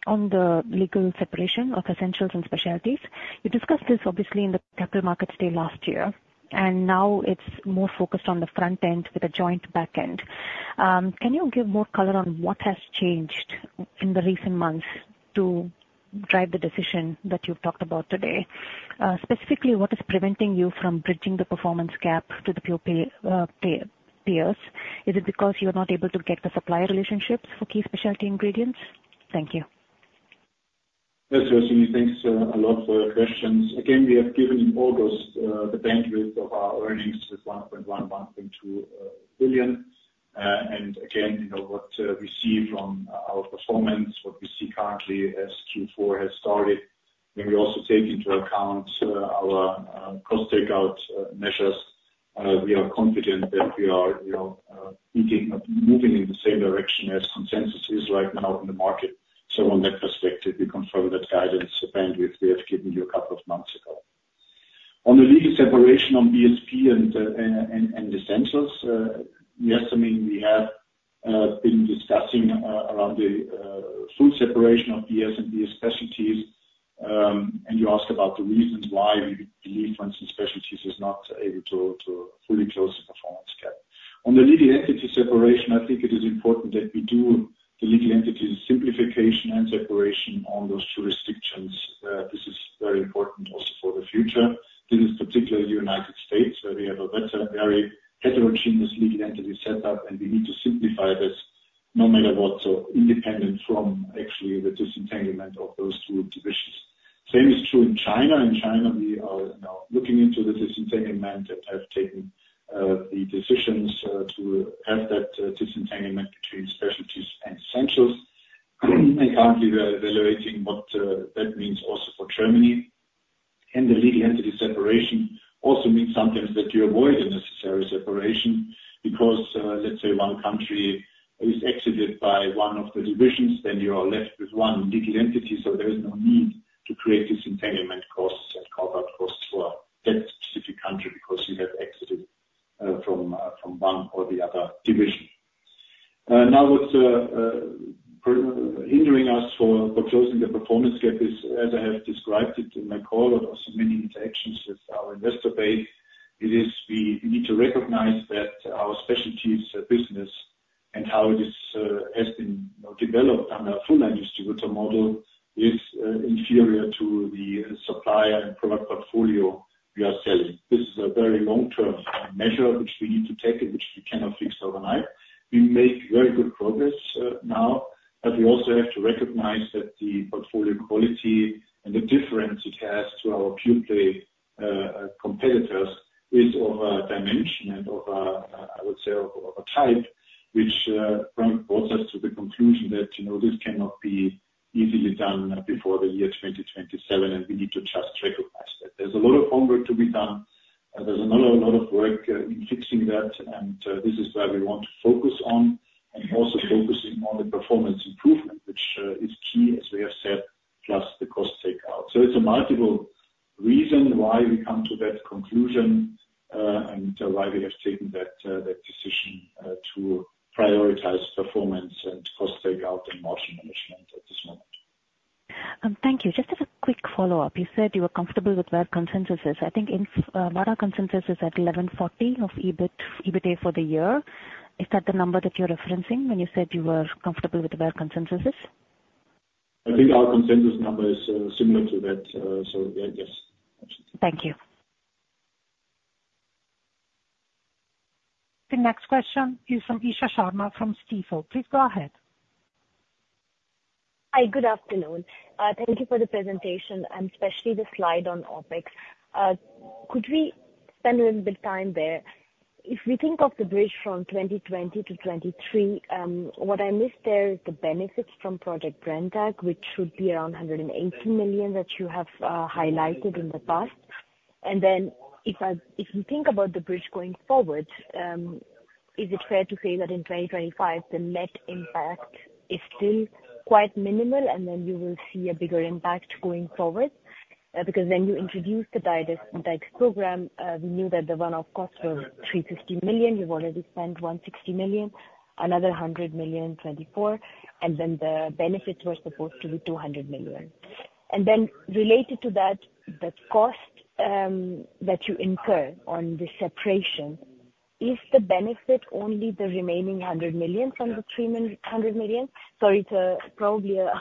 on the legal separation of Essentials and Specialties. You discussed this, obviously, in the Capital Markets Day last year, and now it's more focused on the front end with a joint back end. Can you give more color on what has changed in the recent months to drive the decision that you've talked about today? Specifically, what is preventing you from bridging the performance gap to the pure players? Is it because you're not able to get the supplier relationships for key specialty ingredients? Thank you. Yes, thank you a lot for your questions. Again, we have given in August the bandwidth of our earnings with 1.1 billion-1.2 billion. And again, what we see from our performance, what we see currently as Q4 has started, when we also take into account our cost takeout measures, we are confident that we are moving in the same direction as consensus is right now in the market. So from that perspective, we confirm that guidance bandwidth we have given you a couple of months ago. On the legal separation on Brenntag Specialties and Brenntag Essentials, yes, I mean, we have been discussing around the full separation of Brenntag Essentials and Brenntag Specialties, and you asked about the reasons why we believe, for instance, Brenntag Specialties is not able to fully close the performance gap. On the legal entity separation, I think it is important that we do The next question is from Isha Sharma from Stifel. Please go ahead. Hi, good afternoon. Thank you for the presentation, and especially the slide on OpEx. Could we spend a little bit of time there? If we think of the bridge from 2020 to 2023, what I missed there is the benefits from Project Brenntag, which should be around 180 million that you have highlighted in the past. And then if you think about the bridge going forward, is it fair to say that in 2025, the net impact is still quite minimal, and then you will see a bigger impact going forward? Because when you introduced the DiDEX Index program, we knew that the one-off cost was 350 million. You've already spent 160 million, another 100 million in 2024, and then the benefits were supposed to be 200 million. And then related to that, the cost that you incur on the separation, is the benefit only the remaining 100 million from the 300 million? Sorry, it's probably a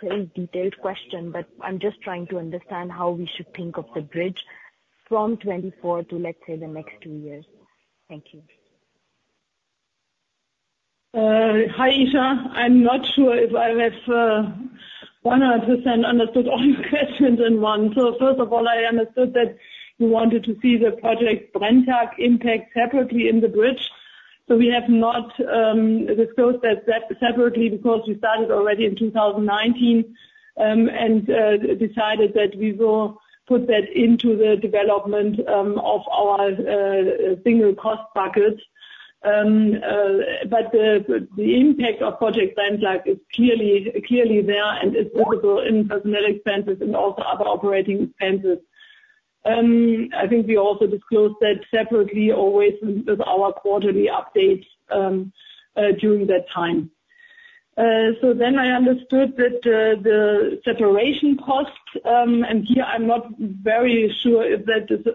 very detailed question, but I'm just trying to understand how we should think of the bridge from 2024 to, let's say, the next two years. Thank you. Hi, Isha. I'm not sure if I have 100% understood all your questions in one. So first of all, I understood that you wanted to see the Project Brenntag impact separately in the bridge. So we have not disclosed that separately because we started already in 2019 and decided that we will put that into the development of our single cost buckets. But the impact of Project Brenntag is clearly there, and it's visible in personnel expenses and also other operating expenses. I think we also disclosed that separately always with our quarterly updates during that time. So then I understood that the separation cost, and here I'm not very sure if that is the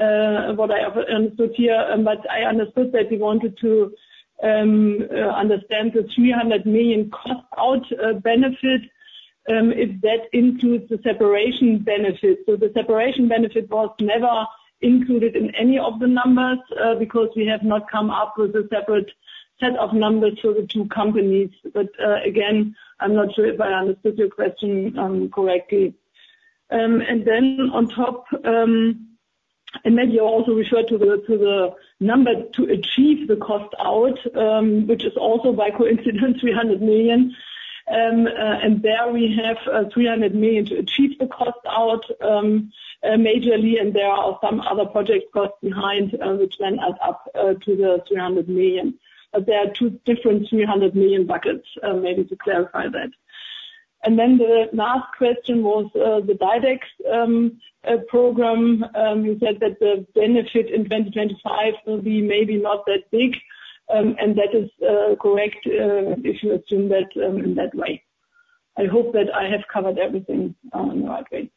right what I understood here, but I understood that you wanted to understand the 300 million cost-out benefit if that includes the separation benefit. So the separation benefit was never included in any of the numbers because we have not come up with a separate set of numbers for the two companies. But again, I'm not sure if I understood your question correctly. And then on top, you also referred to the number to achieve the cost-out, which is also, by coincidence, 300 million. And there we have 300 million to achieve the cost-out majorly, and there are some other project costs behind which then add up to the 300 million. But there are two different 300 million buckets, maybe to clarify that. Then the last question was the Direct program. You said that the benefit in 2025 will be maybe not that big, and that is correct if you assume that in that way. I hope that I have covered everything in the right way.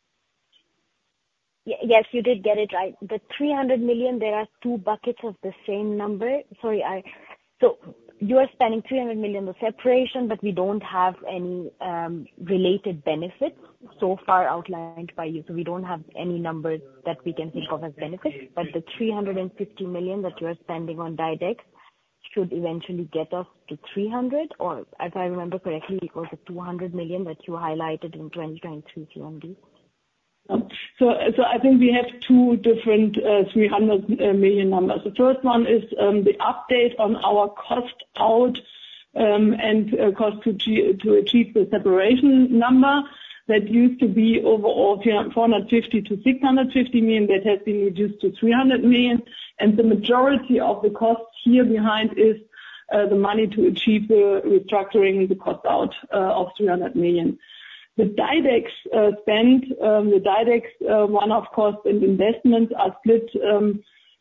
Yes, you did get it right. The 300 million, there are two buckets of the same number. Sorry, so you are spending 300 million on separation, but we don't have any related benefits so far outlined by you. We don't have any numbers that we can think of as benefits. The 350 million that you are spending on Direct should eventually get us to 300, or if I remember correctly, it was the 200 million that you highlighted in 2023 CMD. I think we have two different 300 million numbers. The first one is the update on our cost-out and cost to achieve the separation number that used to be overall 450 million-650 million. That has been reduced to 300 million, and the majority of the cost here behind is the money to achieve the restructuring, the cost-out of 300 million. The Direct spend, the Direct one-off costs and investments are split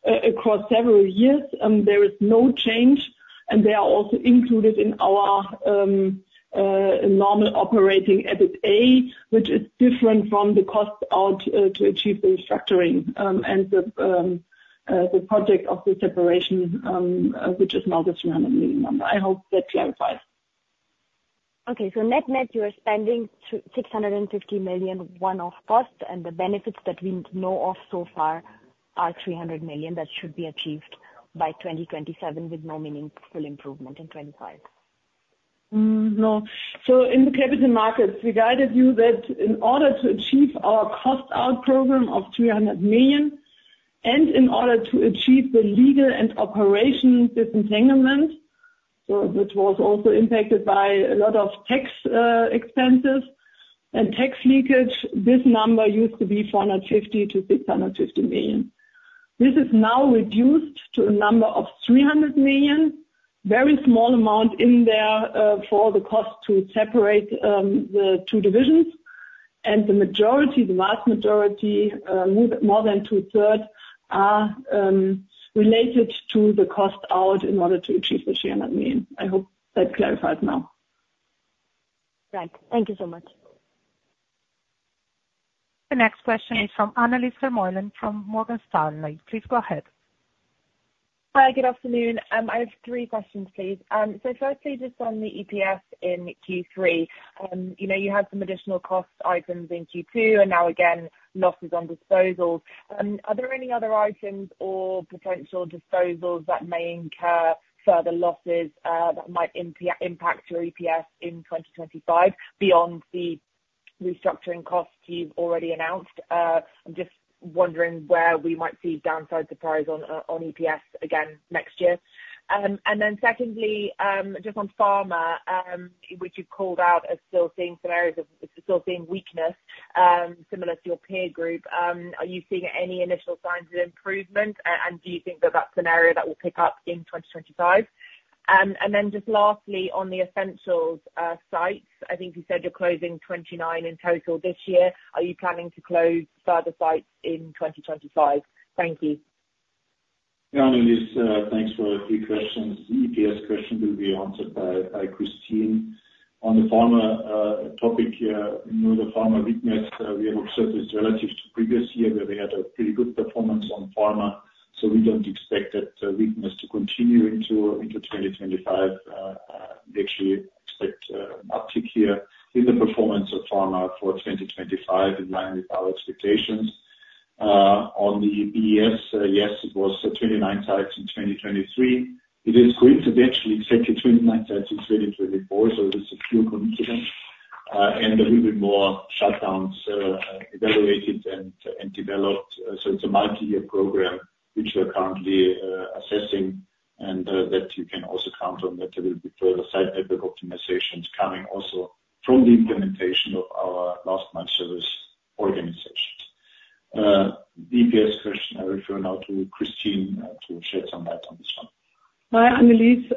across several years. There is no change, and they are also included in our normal operating EBITA, which is different from the cost-out to achieve the restructuring and the project of the separation, which is now the 300 million number. I hope that clarifies. Okay, so net-net, you are spending 650 million one-off cost, and the benefits that we know of so far are 300 million that should be achieved by 2027 with no meaningful improvement in 2025. No. In the capital markets, we guided you that in order to achieve our cost-out program of 300 million and in order to achieve the legal and operational disentanglement, so which was also impacted by a lot of tax expenses and tax leakage, this number used to be 450 million-650 million. This is now reduced to a number of 300 million, very small amount in there for the cost to separate the two divisions. And the majority, the vast majority, more than two-thirds, are related to the cost-out in order to achieve the EUR 300 million. I hope that clarifies now. Right. Thank you so much. The next question is from Annelies Vermeulen from Morgan Stanley. Please go ahead. Hi, good afternoon. I have three questions, please. So firstly, just on the EBITA in Q3, you had some additional cost items in Q2, and now again, losses on disposals. Are there any other items or potential disposals that may incur further losses that might impact your EPS in 2025 beyond the restructuring costs you've already announced? I'm just wondering where we might see downside surprise on EPS again next year. And then secondly, just on pharma, which you've called out as still seeing some areas of still seeing weakness similar to your peer group, are you seeing any initial signs of improvement, and do you think that that's an area that will pick up in 2025? And then just lastly, on the Essentials sites, I think you said you're closing 29 in total this year. Are you planning to close further sites in 2025? Thank you. Yeah, Annelies, thanks for a few questions. The EPS question will be answered by Kristin. On the pharma topic here, the pharma weakness we have observed is relative to previous year where we had a pretty good performance on pharma. So we don't expect that weakness to continue into 2025. We actually expect an uptick here in the performance of pharma for 2025 in line with our expectations. On the BES, yes, it was 29 sites in 2023. It is coincidentally exactly 29 sites in 2024, so this is a mere coincidence. And there will be more shutdowns evaluated and developed. So it's a multi-year program which we're currently assessing, and that you can also count on that there will be further site network optimizations coming also from the implementation of our Last Mile Service Operations. The EPS question, I refer now to Kristin to shed some light on this one. Hi, Annelies.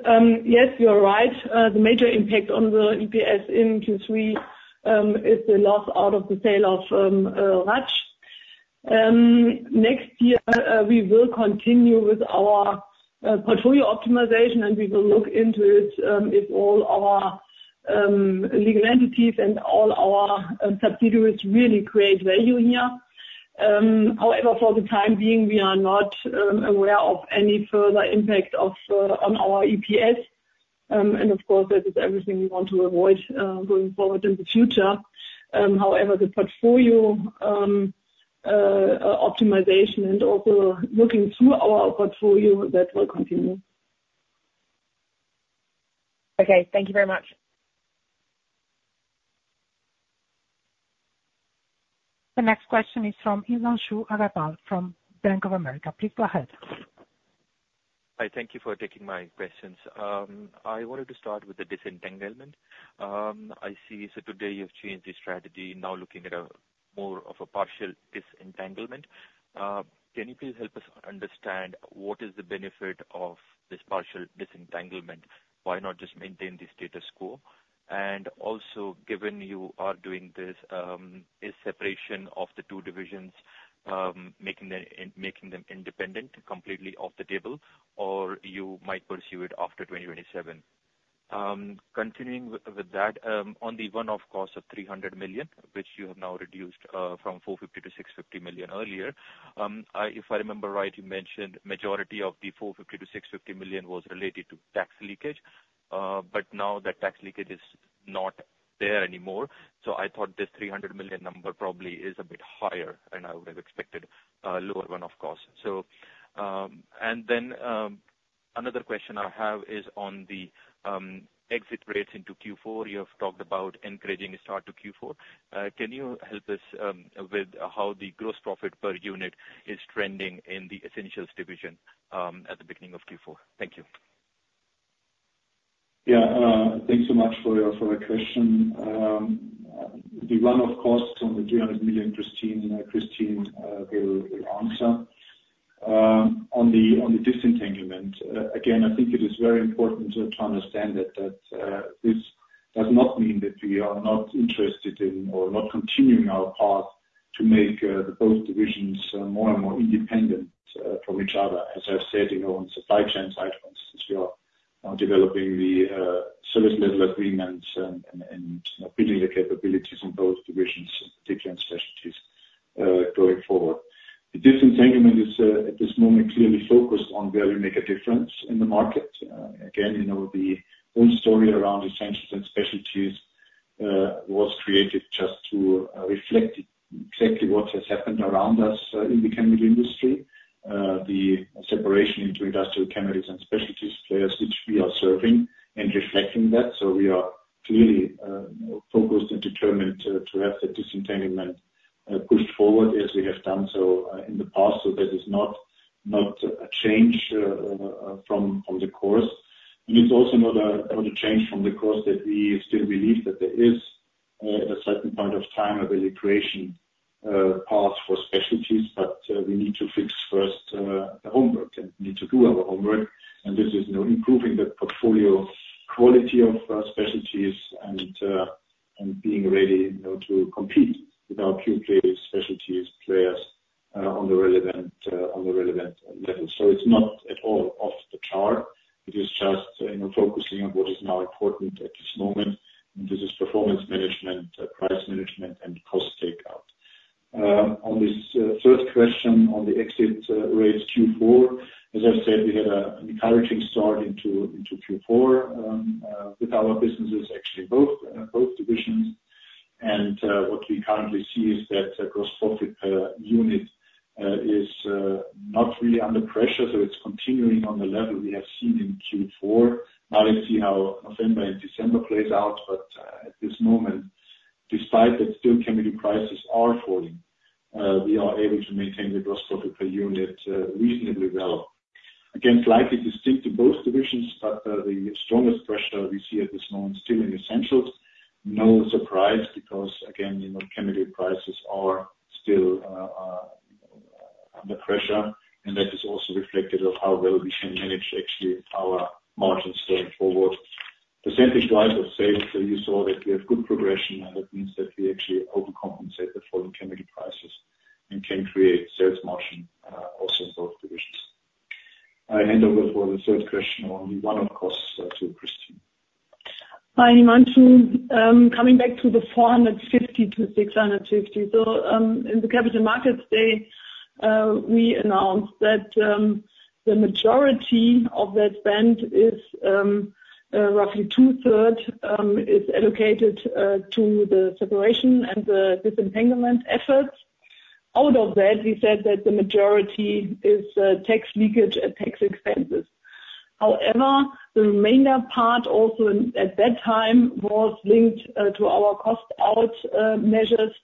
Yes, you're right. The major impact on the EPS in Q3 is the loss out of the sale of Raj. Next year, we will continue with our portfolio optimization, and we will look into it if all our legal entities and all our subsidiaries really create value here. However, for the time being, we are not aware of any further impact on our EPS. Of course, that is everything we want to avoid going forward in the future. However, the portfolio optimization and also looking through our portfolio, that will continue. Okay, thank you very much. The next question is from Himanshu Agarwal from Bank of America. Please go ahead. Hi, thank you for taking my questions. I wanted to start with the disentanglement. I see, so today you've changed the strategy, now looking at more of a partial disentanglement. Can you please help us understand what is the benefit of this partial disentanglement? Why not just maintain the status quo? And also, given you are doing this, is separation of the two divisions making them independent completely off the table, or you might pursue it after 2027? Continuing with that, on the one-off cost of 300 million, which you have now reduced from 450 million to 650 million earlier, if I remember right, you mentioned majority of the 450 million-650 million was related to tax leakage, but now that tax leakage is not there anymore. So I thought this 300 million number probably is a bit higher, and I would have expected a lower one-off cost. And then another question I have is on the exit rates into Q4. You have talked about encouraging a start to Q4. Can you help us with how the gross profit per unit is trending in the Essentials division at the beginning of Q4? Thank you. Yeah, thanks so much for your question. The one-off cost on the 300 million, Kristin will answer. On the disentanglement, again, I think it is very important to understand that this does not mean that we are not interested in or not continuing our path to make both divisions more and more independent from each other. As I've said, on supply chain side of things, we are now developing the service level agreements and building the capabilities in both divisions, particularly in Specialties, going forward. The disentanglement is at this moment clearly focused on where we make a difference in the market. Again, the whole story around Essentials and Specialties was created just to reflect exactly what has happened around us in the chemical industry. The separation into industrial chemicals and Specialties players, which we are serving and reflecting that. So we are clearly focused and determined to have the disentanglement pushed forward as we have done so in the past. So that is not a change from the course. And it's also not a change from the course that we still believe that there is, at a certain point of time, a value creation path for Specialties, but we need to fix first the homework and need to do our homework. And this is improving the portfolio quality of Specialties and being ready to compete with our key Specialties players on the relevant level. So it's not at all off the table. It is just focusing on what is now important at this moment. And this is performance management, price management, and cost takeout. On this third question on the exit rates Q4, as I've said, we had an encouraging start into Q4 with our businesses, actually both divisions. And what we currently see is that gross profit per unit is not really under pressure. So it's continuing on the level we have seen in Q4. Now let's see how November and December plays out. But at this moment, despite that still chemical prices are falling, we are able to maintain the gross profit per unit reasonably well. Again, slightly distinct in both divisions, but the strongest pressure we see at this moment still in Essentials. No surprise because, again, chemical prices are still under pressure. And that is also reflected in how well we can manage actually our margins going forward. The same thing applies for sales. So you saw that we have good progression, and that means that we actually overcompensate the falling chemical prices and can create sales margin also in both divisions. I hand over for the third question on the one-off costs to Kristin. Hi, Himanshu. Coming back to the 450-650. So in the Capital Markets Day, we announced that the majority of that spend is roughly two-thirds allocated to the separation and the disentanglement efforts. Out of that, we said that the majority is tax leakage and tax expenses. However, the remainder part also at that time was linked to our cost-out measures,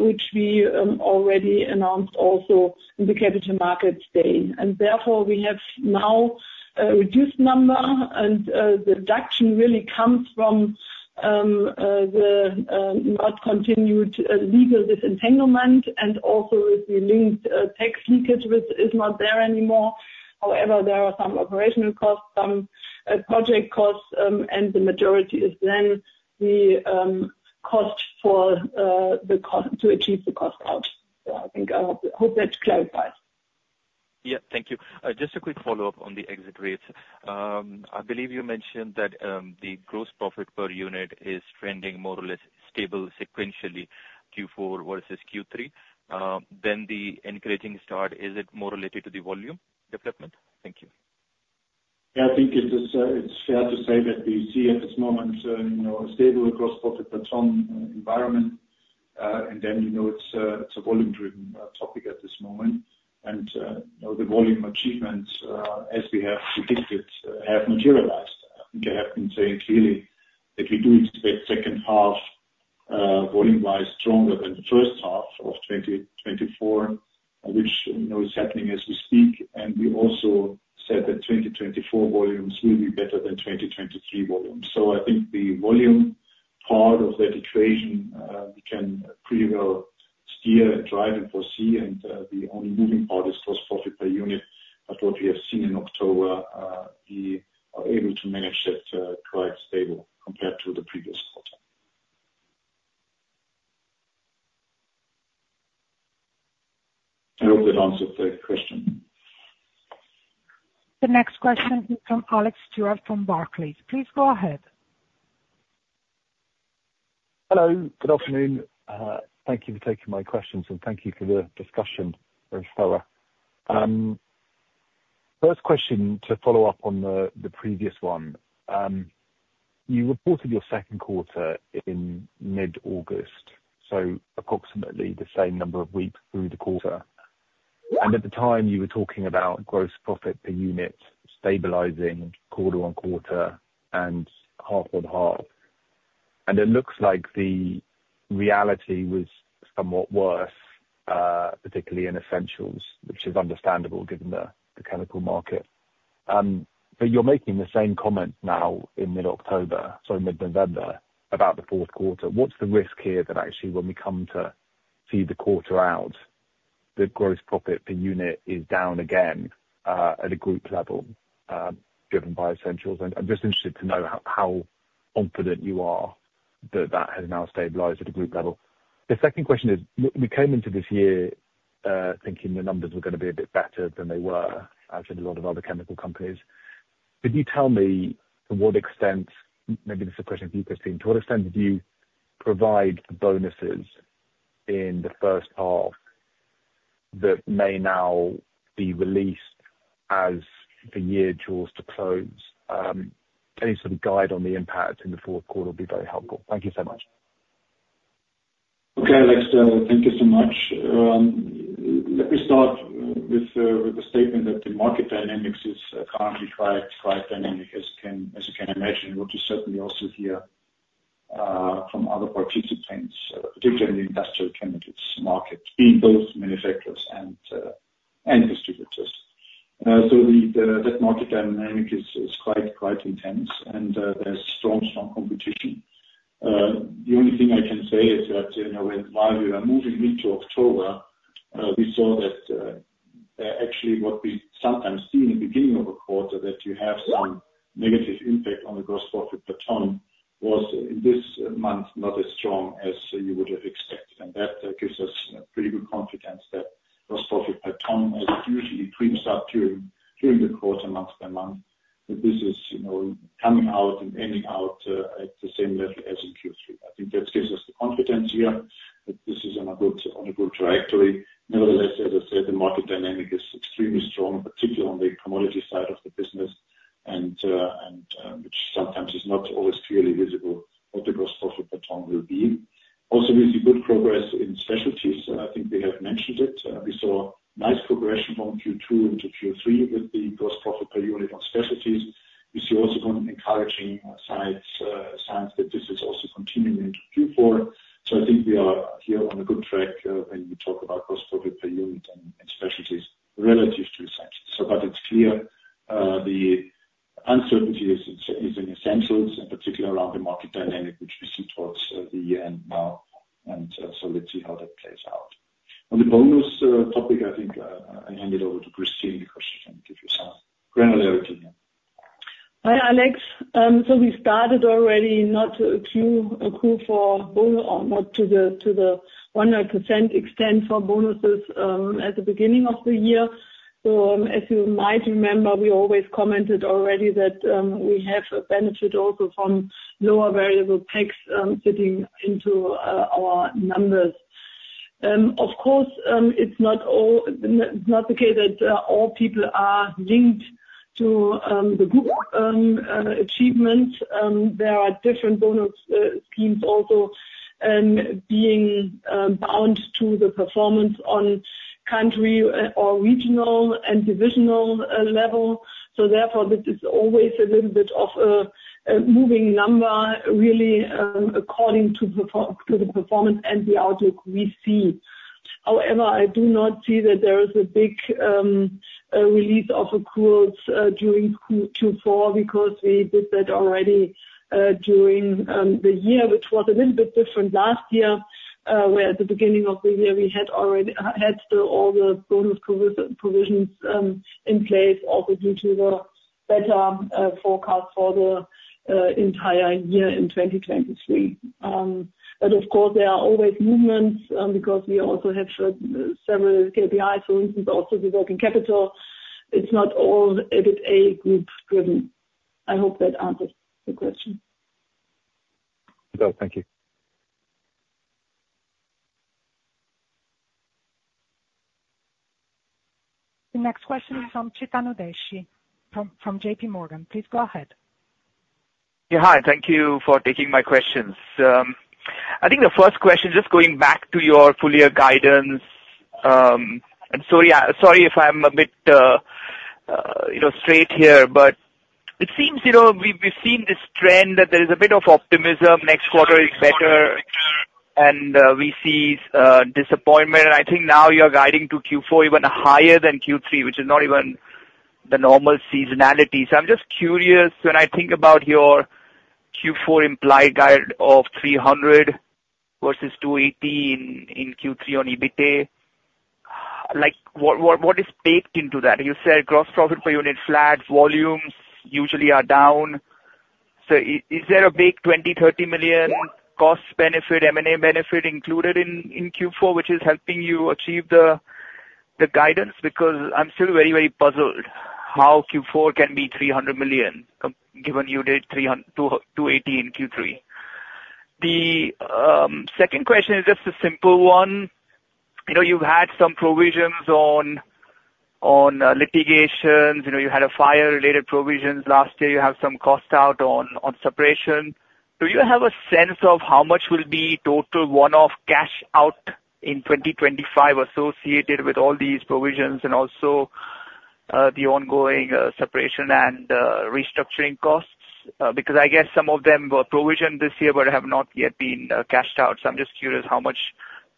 which we already announced also in the Capital Markets Day. And therefore, we have now a reduced number, and the deduction really comes from the not continued legal disentanglement and also with the linked tax leakage, which is not there anymore. However, there are some operational costs, some project costs, and the majority is then the cost for the cost to achieve the cost-out, so I think I hope that clarifies. Yeah, thank you. Just a quick follow-up on the exit rates. I believe you mentioned that the gross profit per unit is trending more or less stable sequentially Q4 versus Q3, then the encouraging start, is it more related to the volume development? Thank you. Yeah, I think it's fair to say that we see at this moment a stable gross profit per ton environment, and then it's a volume-driven topic at this moment, and the volume achievements, as we have predicted, have materialized. I think I have been saying clearly that we do expect second half volume-wise stronger than the first half of 2024, which is happening as we speak. And we also said that 2024 volumes will be better than 2023 volumes. So I think the volume part of that equation, we can pretty well steer and drive and foresee. And the only moving part is gross profit per unit. But what we have seen in October, we are able to manage that quite stable compared to the previous quarter. I hope that answered the question. The next question is from Alex Stewart from Barclays. Please go ahead. Hello, good afternoon. Thank you for taking my questions, and thank you for the discussion very thorough. First question to follow up on the previous one. You reported your second quarter in mid-August, so approximately the same number of weeks through the quarter. And at the time, you were talking about gross profit per unit stabilizing quarter on quarter and half on half. And it looks like the reality was somewhat worse, particularly in Essentials, which is understandable given the chemical market. But you're making the same comment now in mid-October, sorry, mid-November about the fourth quarter. What's the risk here that actually, when we come to see the quarter out, the gross profit per unit is down again at a group level driven by Essentials? I'm just interested to know how confident you are that that has now stabilized at a group level. The second question is, we came into this year thinking the numbers were going to be a bit better than they were, as in a lot of other chemical companies. Could you tell me to what extent, maybe this is a question for you, Kristin, to what extent did you provide the bonuses in the first half that may now be released as the year draws to close? Any sort of guide on the impact in the fourth quarter would be very helpful. Thank you so much. Okay, Alex, thank you so much. Let me start with the statement that the market dynamics is currently quite dynamic, as you can imagine, which is certainly also heard from other participants, particularly in the industrial chemicals market, being both manufacturers and distributors. So that market dynamic is quite intense, and there's strong, strong competition. The only thing I can say is that while we are moving into October, we saw that actually what we sometimes see in the beginning of a quarter, that you have some negative impact on the gross profit per ton, was in this month not as strong as you would have expected. And that gives us pretty good confidence that gross profit per ton usually creeps up during the quarter, month by month. But this is coming out and ending out at the same level as in Q3. I think that gives us the confidence here that this is on a good trajectory. Nevertheless, as I said, the market dynamic is extremely strong, particularly on the commodity side of the business, which sometimes is not always clearly visible what the gross profit per ton will be. Also, we see good progress in Specialties. I think we have mentioned it. We saw nice progression from Q2 into Q3 with the gross profit per unit on Specialties. We see also some encouraging signs that this is also continuing into Q4. So I think we are here on a good track when we talk about gross profit per unit and Specialties relative to Essentials. But it's clear the uncertainty is in Essentials, in particular around the market dynamic, which we see towards the year now. And so let's see how that plays out. On the bonus topic, I think I hand it over to Kristin because she can give you some granularity here. Hi, Alex. So we started already not to accrue for bonus or not to the 100% extent for bonuses at the beginning of the year. So as you might remember, we always commented already that we have a benefit also from lower variable pay sitting into our numbers. Of course, it's not the case that all people are linked to the group achievements. There are different bonus schemes also being bound to the performance on country or regional and divisional level. So therefore, this is always a little bit of a moving number, really, according to the performance and the outlook we see. However, I do not see that there is a big release of accruals during Q4 because we did that already during the year, which was a little bit different last year, where at the beginning of the year, we had still all the bonus provisions in place, also due to the better forecast for the entire year in 2023. But of course, there are always movements because we also have several KPIs, for instance, also the working capital. It's not all EBITA group driven. I hope that answers the question. No, thank you. The next question is from Chetan Udeshi from J.P. Morgan. Please go ahead. Yeah, hi. Thank you for taking my questions. I think the first question, just going back to your full year guidance, and sorry if I'm a bit straight here, but it seems we've seen this trend that there is a bit of optimism. Next quarter is better, and we see disappointment. And I think now you're guiding to Q4 even higher than Q3, which is not even the normal seasonality. So I'm just curious, when I think about your Q4 implied guide of 300 million versus 280 million in Q3 on EBITDA, what is baked into that? You said gross profit per unit flat, volumes usually are down. So is there a big 20, 30 million cost benefit, M&A benefit included in Q4, which is helping you achieve the guidance? Because I'm still very, very puzzled how Q4 can be 300 million, given you did 280 million in Q3. The second question is just a simple one. You've had some provisions on litigations. You had a fire-related provisions last year. You have some cost-out on separation. Do you have a sense of how much will be total one-off cash out in 2025 associated with all these provisions and also the ongoing separation and restructuring costs? Because I guess some of them were provisioned this year but have not yet been cashed out. So I'm just curious how much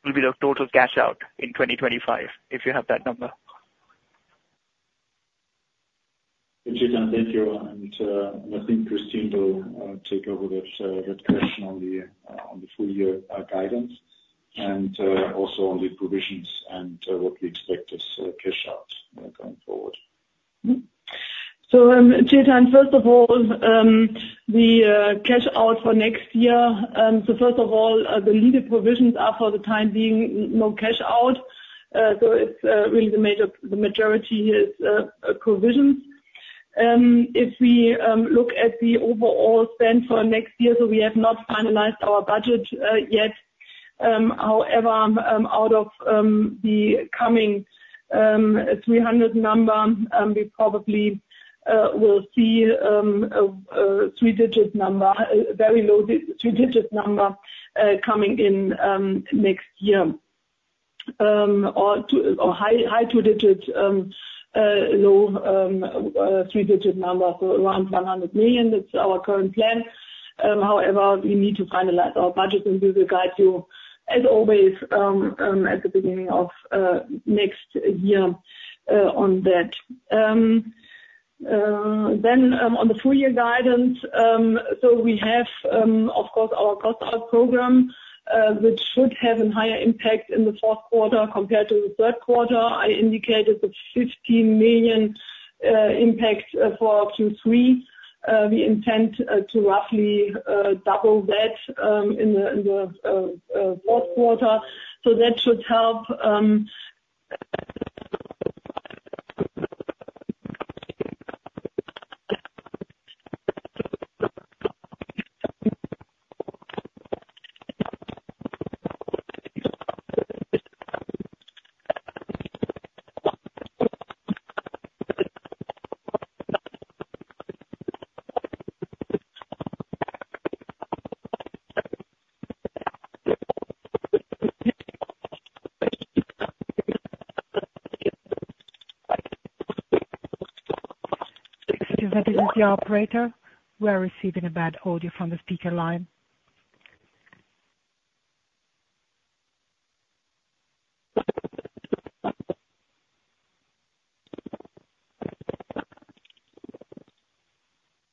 will be the total cash out in 2025, if you have that number. Thank you, Chetan. Thank you. And I think Kristin will take over that question on the full year guidance and also on the provisions and what we expect as cash out going forward. So Chetan, first of all, the cash out for next year. So first of all, the legal provisions are for the time being no cash out. So it's really the majority is provisions. If we look at the overall spend for next year, so we have not finalized our budget yet. However, out of the coming 300 number, we probably will see a three-digit number, a very low three-digit number coming in next year, or high two-digit, low three-digit number, so around 100 million. That's our current plan. However, we need to finalize our budget, and we will guide you, as always, at the beginning of next year on that. Then on the full year guidance, so we have, of course, our cost-out program, which should have a higher impact in the fourth quarter compared to the third quarter. I indicated the 15 million impact for Q3. We intend to roughly double that in the fourth quarter. So that should help. This is the operator. We are receiving a bad audio from the speaker line.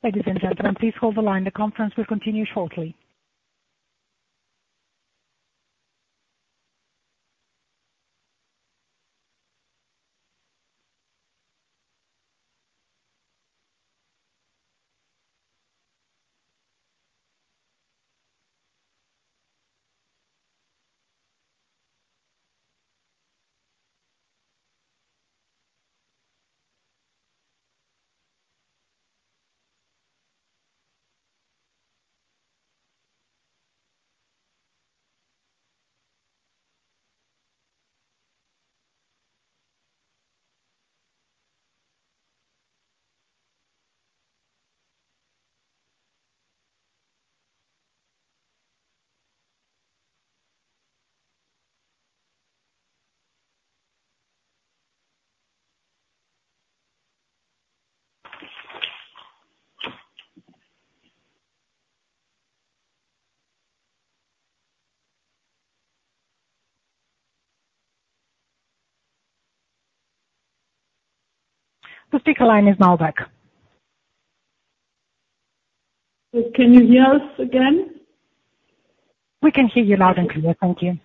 Ladies and gentlemen, please hold the line. The conference will continue shortly. The speaker line is now back. Can you hear us again? We can hear you loud and clear. Thank you.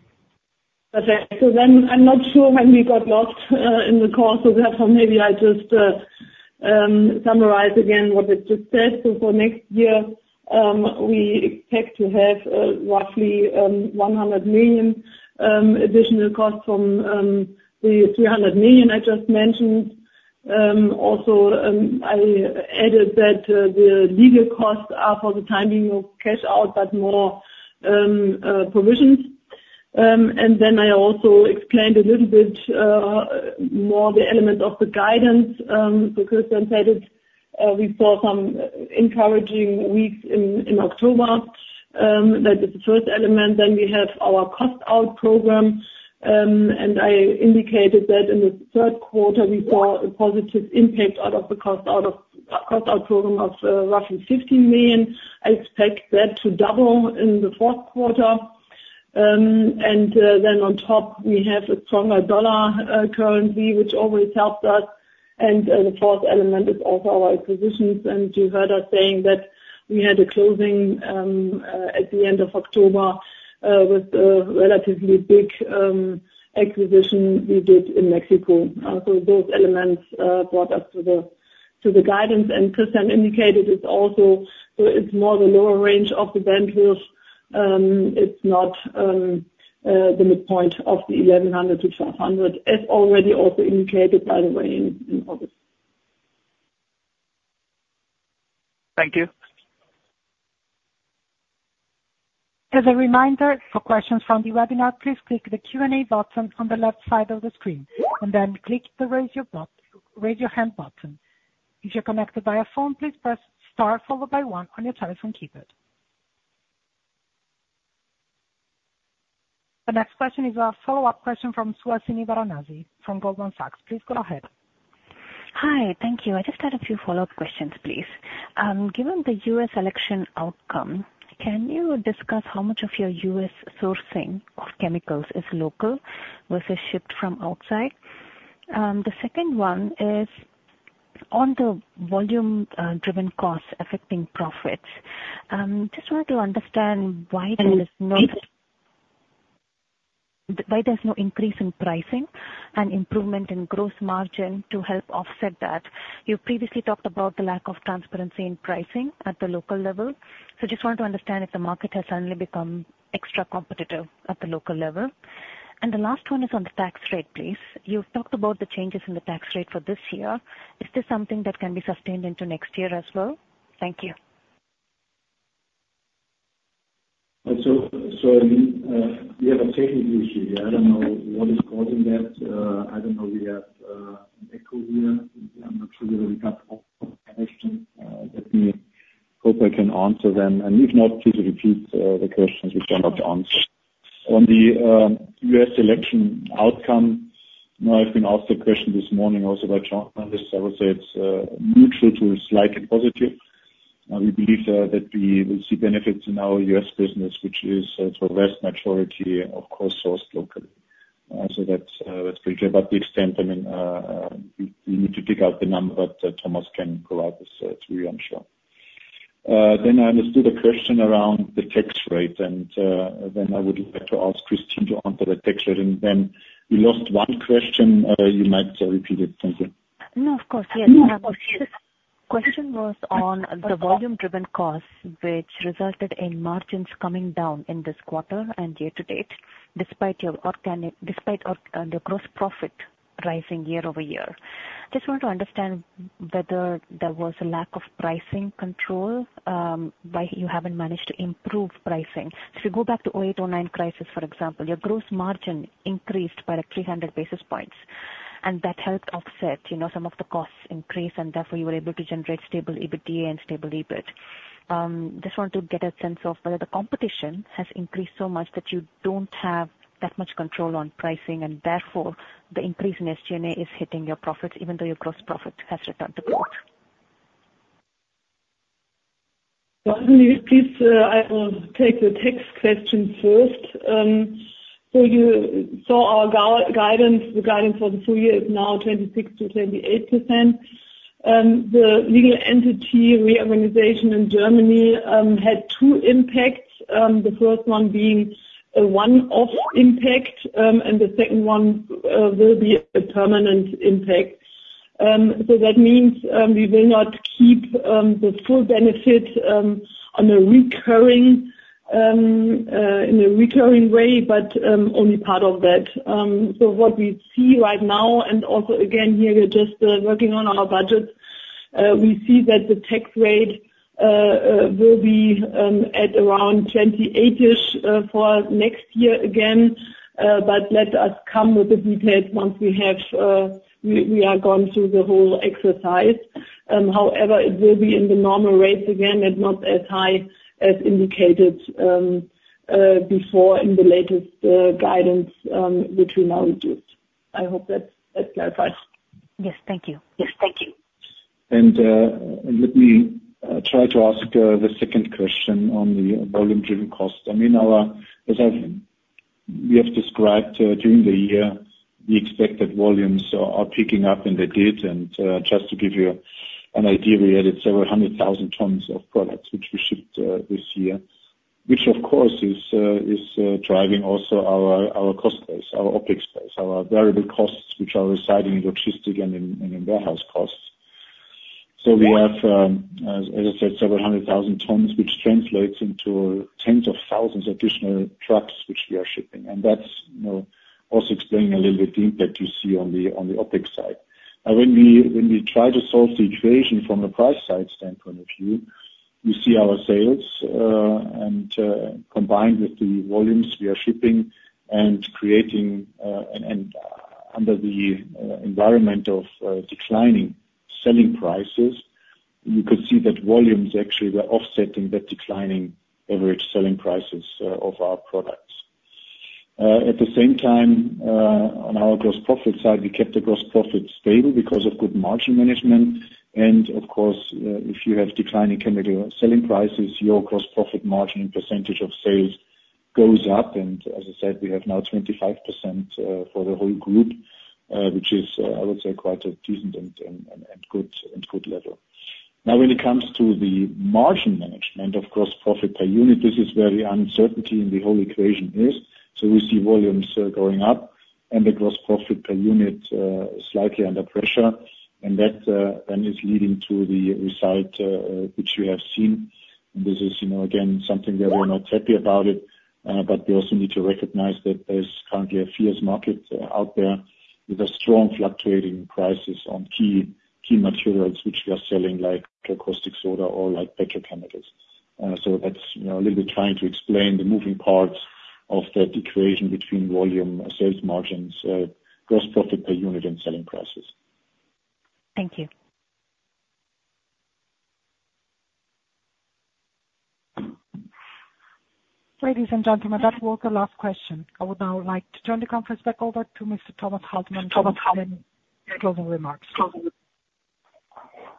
Perfect. So then I'm not sure when we got lost in the call. So therefore, maybe I just summarize again what I just said. So for next year, we expect to have roughly 100 million additional costs from the 300 million I just mentioned. Also, I added that the legal costs are for the time being no cash out, but more provisions. And then I also explained a little bit more the elements of the guidance. So Kristin said it, we saw some encouraging weeks in October. That is the first element. Then we have our cost-out program. And I indicated that in the third quarter, we saw a positive impact out of the cost-out program of roughly 15 million. I expect that to double in the fourth quarter. And then on top, we have a stronger dollar currency, which always helps us. And the fourth element is also our acquisitions. And you heard us saying that we had a closing at the end of October with a relatively big acquisition we did in Mexico. So those elements brought us to the guidance. And Christian indicated it's also more the lower range of the guidance. It's not the midpoint of the 1,100-1,200, as already also indicated, by the way, in August. Thank you. As a reminder, for questions from the webinar, please click the Q&A button on the left side of the screen. And then click the raise your hand button. If you're connected via phone, please press star followed by one on your telephone keypad. The next question is a follow-up question from Suhasini Varanasi from Goldman Sachs. Please go ahead. Hi, thank you. I just had a few follow-up questions, please. Given the US election outcome, can you discuss how much of your US sourcing of chemicals is local versus shipped from outside? The second one is on the volume-driven costs affecting profits. Just wanted to understand why there's no increase in pricing and improvement in gross margin to help offset that. You previously talked about the lack of transparency in pricing at the local level. So just wanted to understand if the market has suddenly become extra competitive at the local level. And the last one is on the tax rate, please. You talked about the changes in the tax rate for this year. Is this something that can be sustained into next year as well? Thank you. So we have a technical issue here. I don't know what is causing that. I don't know. We have an echo here. I'm not sure whether we got all the questions. Let me hope I can answer them. And if not, please repeat the questions which I'm not answering. On the U.S. election outcome, I've been asked a question this morning also by Chairman. I would say it's neutral to slightly positive. We believe that we will see benefits in our U.S. business, which is for the vast majority, of course, sourced locally. So that's pretty clear. But the extent, I mean, we need to dig out the number, but Thomas can provide this to you, I'm sure. Then I understood a question around the tax rate. And then I would like to ask Kristin to answer the tax rate. And then we lost one question. You might repeat it. Thank you. No, of course. Yes. The question was on the volume-driven costs, which resulted in margins coming down in this quarter and year to date, despite the gross profit rising year-over-year. Just wanted to understand whether there was a lack of pricing control by you haven't managed to improve pricing. So if you go back to 2008, 2009 crisis, for example, your gross margin increased by 300 basis points, and that helped offset some of the cost increase, and therefore you were able to generate stable EBITDA and stable EBIT. Just wanted to get a sense of whether the competition has increased so much that you don't have that much control on pricing, and therefore the increase in SG&A is hitting your profits, even though your gross profit has returned to growth. Please, I will take the tax question first. So you saw our guidance. The guidance for the full year is now 26%-28%. The legal entity reorganization in Germany had two impacts. The first one being a one-off impact, and the second one will be a permanent impact. So that means we will not keep the full benefit in a recurring way, but only part of that. So what we see right now, and also again, here we're just working on our budget, we see that the tax rate will be at around 28-ish% for next year again. But let us come with the details once we have gone through the whole exercise. However, it will be in the normal rates again and not as high as indicated before in the latest guidance, which we now just. I hope that clarifies. Yes. Thank you. Yes. Thank you. Let me try to ask the second question on the volume-driven cost. I mean, as we have described during the year, the expected volumes are picking up in the data. Just to give you an idea, we added several hundred thousand tons of products which we shipped this year, which, of course, is driving also our cost base, our OpEx base, our variable costs, which are residing in logistics and in warehouse costs. We have, as I said, several hundred thousand tons, which translates into tens of thousands of additional trucks which we are shipping. That's also explaining a little bit the impact you see on the OpEx side. Now, when we try to solve the equation from a price side standpoint of view, you see our sales. And combined with the volumes we are shipping and creating and under the environment of declining selling prices, you could see that volumes actually were offsetting that declining average selling prices of our products. At the same time, on our gross profit side, we kept the gross profit stable because of good margin management. And of course, if you have declining chemical selling prices, your gross profit margin percentage of sales goes up. And as I said, we have now 25% for the whole group, which is, I would say, quite a decent and good level. Now, when it comes to the margin management of gross profit per unit, this is where the uncertainty in the whole equation is. So we see volumes going up and the gross profit per unit slightly under pressure. And that then is leading to the result which you have seen. And this is, again, something where we are not happy about it. But we also need to recognize that there's currently a fierce market out there with strongly fluctuating prices on key materials, which we are selling like caustic soda or like petrochemicals. So that's a little bit trying to explain the moving parts of that equation between volume, sales margins, gross profit per unit, and selling prices. Thank you. Ladies and gentlemen, that was the last question. I would now like to turn the conference back over to Mr. Thomas Altmann for his closing remarks.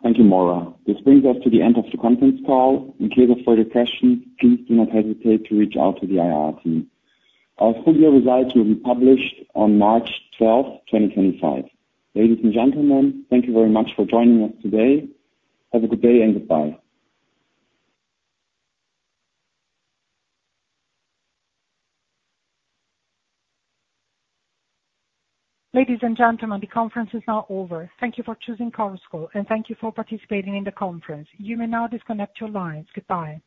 Thank you, Mara. This brings us to the end of the conference call. In case of further questions, please do not hesitate to reach out to the IR team. Our full year results will be published on March 12th, 2025. Ladies and gentlemen, thank you very much for joining us today. Have a good day and goodbye. Ladies and gentlemen, the conference is now over. Thank you for choosing Chorus Call, and thank you for participating in the conference. You may now disconnect your lines. Goodbye.